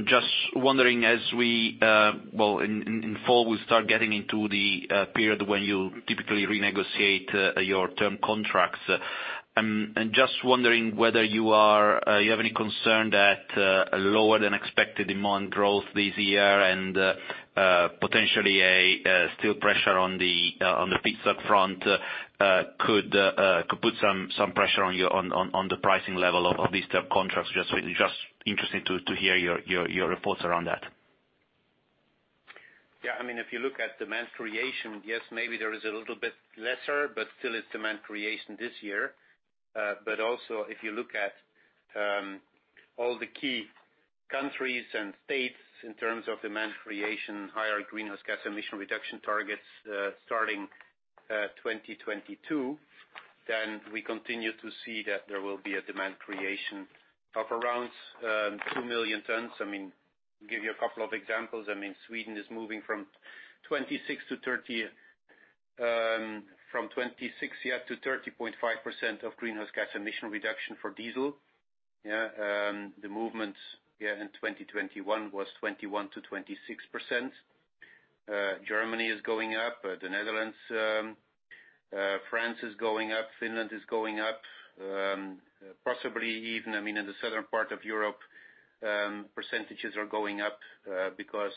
Just wondering as we, well, in fall, we start getting into the period when you typically renegotiate your term contracts. I'm just wondering whether you have any concern that lower than expected demand growth this year and potentially a still pressure on the feedstock front could put some pressure on the pricing level of these term contracts. Just interested to hear your thoughts around that. If you look at demand creation, yes, maybe there is a little bit lesser, but still it's demand creation this year. If you look at all the key countries and states in terms of demand creation, higher greenhouse gas emission reduction targets starting 2022, then we continue to see that there will be a demand creation of around 2 million tons. To give you a couple of examples, Sweden is moving from 26%-30.5% of greenhouse gas emission reduction for diesel. The movement in 2021 was 21%-26%. Germany is going up, the Netherlands, France is going up, Finland is going up. Possibly even in the southern part of Europe, percentages are going up because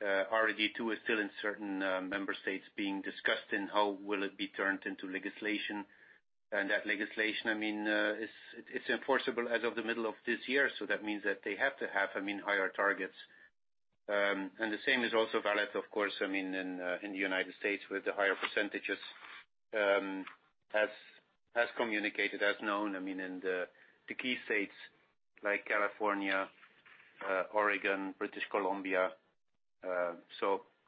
RED II is still in certain member states being discussed in how will it be turned into legislation. That legislation, it's enforceable as of the middle of this year, that means that they have to have higher targets. The same is also valid, of course, in United States with the higher percentages as communicated, as known in the key states like California, Oregon, British Columbia.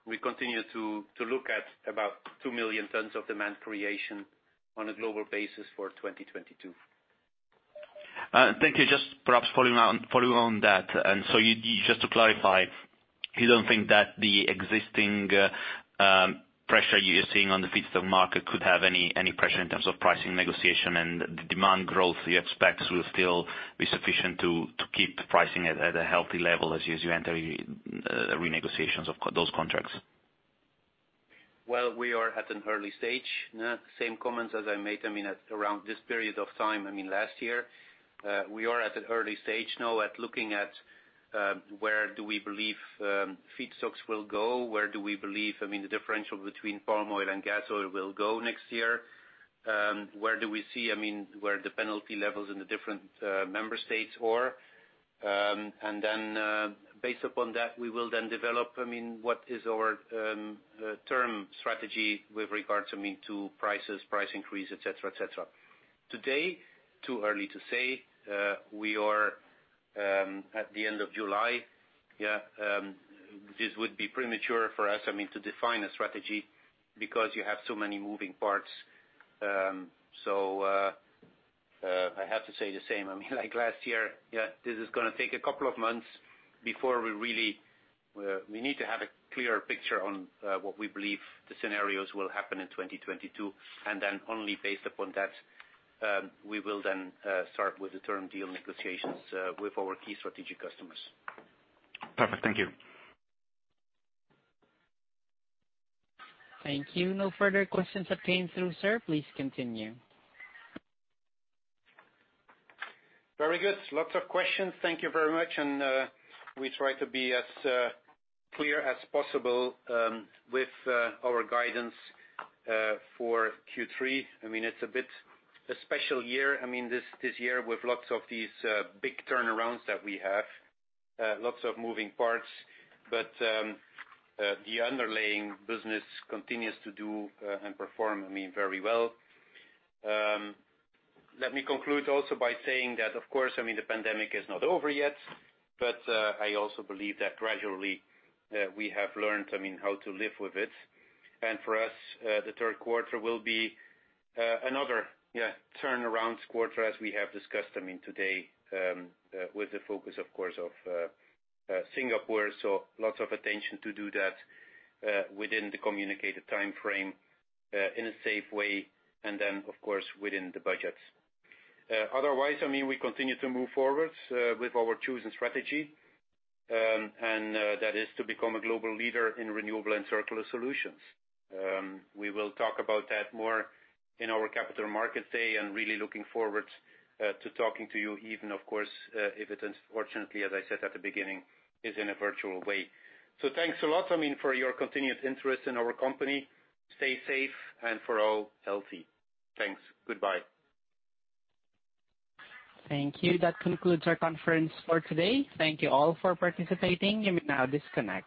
We continue to look at about 2 million tons of demand creation on a global basis for 2022. Thank you. Just perhaps following on that. Just to clarify, you don't think that the existing pressure you're seeing on the feedstock market could have any pressure in terms of pricing negotiation and the demand growth you expect will still be sufficient to keep pricing at a healthy level as you enter renegotiations of those contracts? Well, we are at an early stage. Same comments as I made around this period of time last year. We are at an early stage now at looking at where do we believe feedstocks will go, where do we believe the differential between palm oil and gas oil will go next year, where do we see the penalty levels in the different member states are. Based upon that, we will then develop what is our term strategy with regard to prices, price increase, et cetera. Today, too early to say. We are at the end of July. This would be premature for us to define a strategy because you have so many moving parts. I have to say the same, like last year, this is going to take a couple of months. We need to have a clearer picture on what we believe the scenarios will happen in 2022, and then only based upon that, we will then start with the term deal negotiations with our key strategic customers. Perfect. Thank you. Thank you. No further questions obtained through sir. Please continue. Very good. Lots of questions. Thank you very much. We try to be as clear as possible with our guidance for Q3. It's a bit a special year, this year with lots of these big turnarounds that we have, lots of moving parts, but the underlying business continues to do and perform very well. Let me conclude also by saying that, of course, the pandemic is not over yet, but I also believe that gradually we have learned how to live with it. For us, the third quarter will be another turnaround quarter as we have discussed today, with the focus, of course, of Singapore. Lots of attention to do that within the communicated timeframe, in a safe way, and then, of course, within the budgets. Otherwise, we continue to move forward with our chosen strategy, and that is to become a global leader in renewable and circular solutions. We will talk about that more in our Capital Markets Day, really looking forward to talking to you even, of course, if it unfortunately, as I said at the beginning, is in a virtual way. Thanks a lot for your continued interest in our company. Stay safe and for all, healthy. Thanks. Goodbye. Thank you. That concludes our conference for today. Thank you all for participating. You may now disconnect.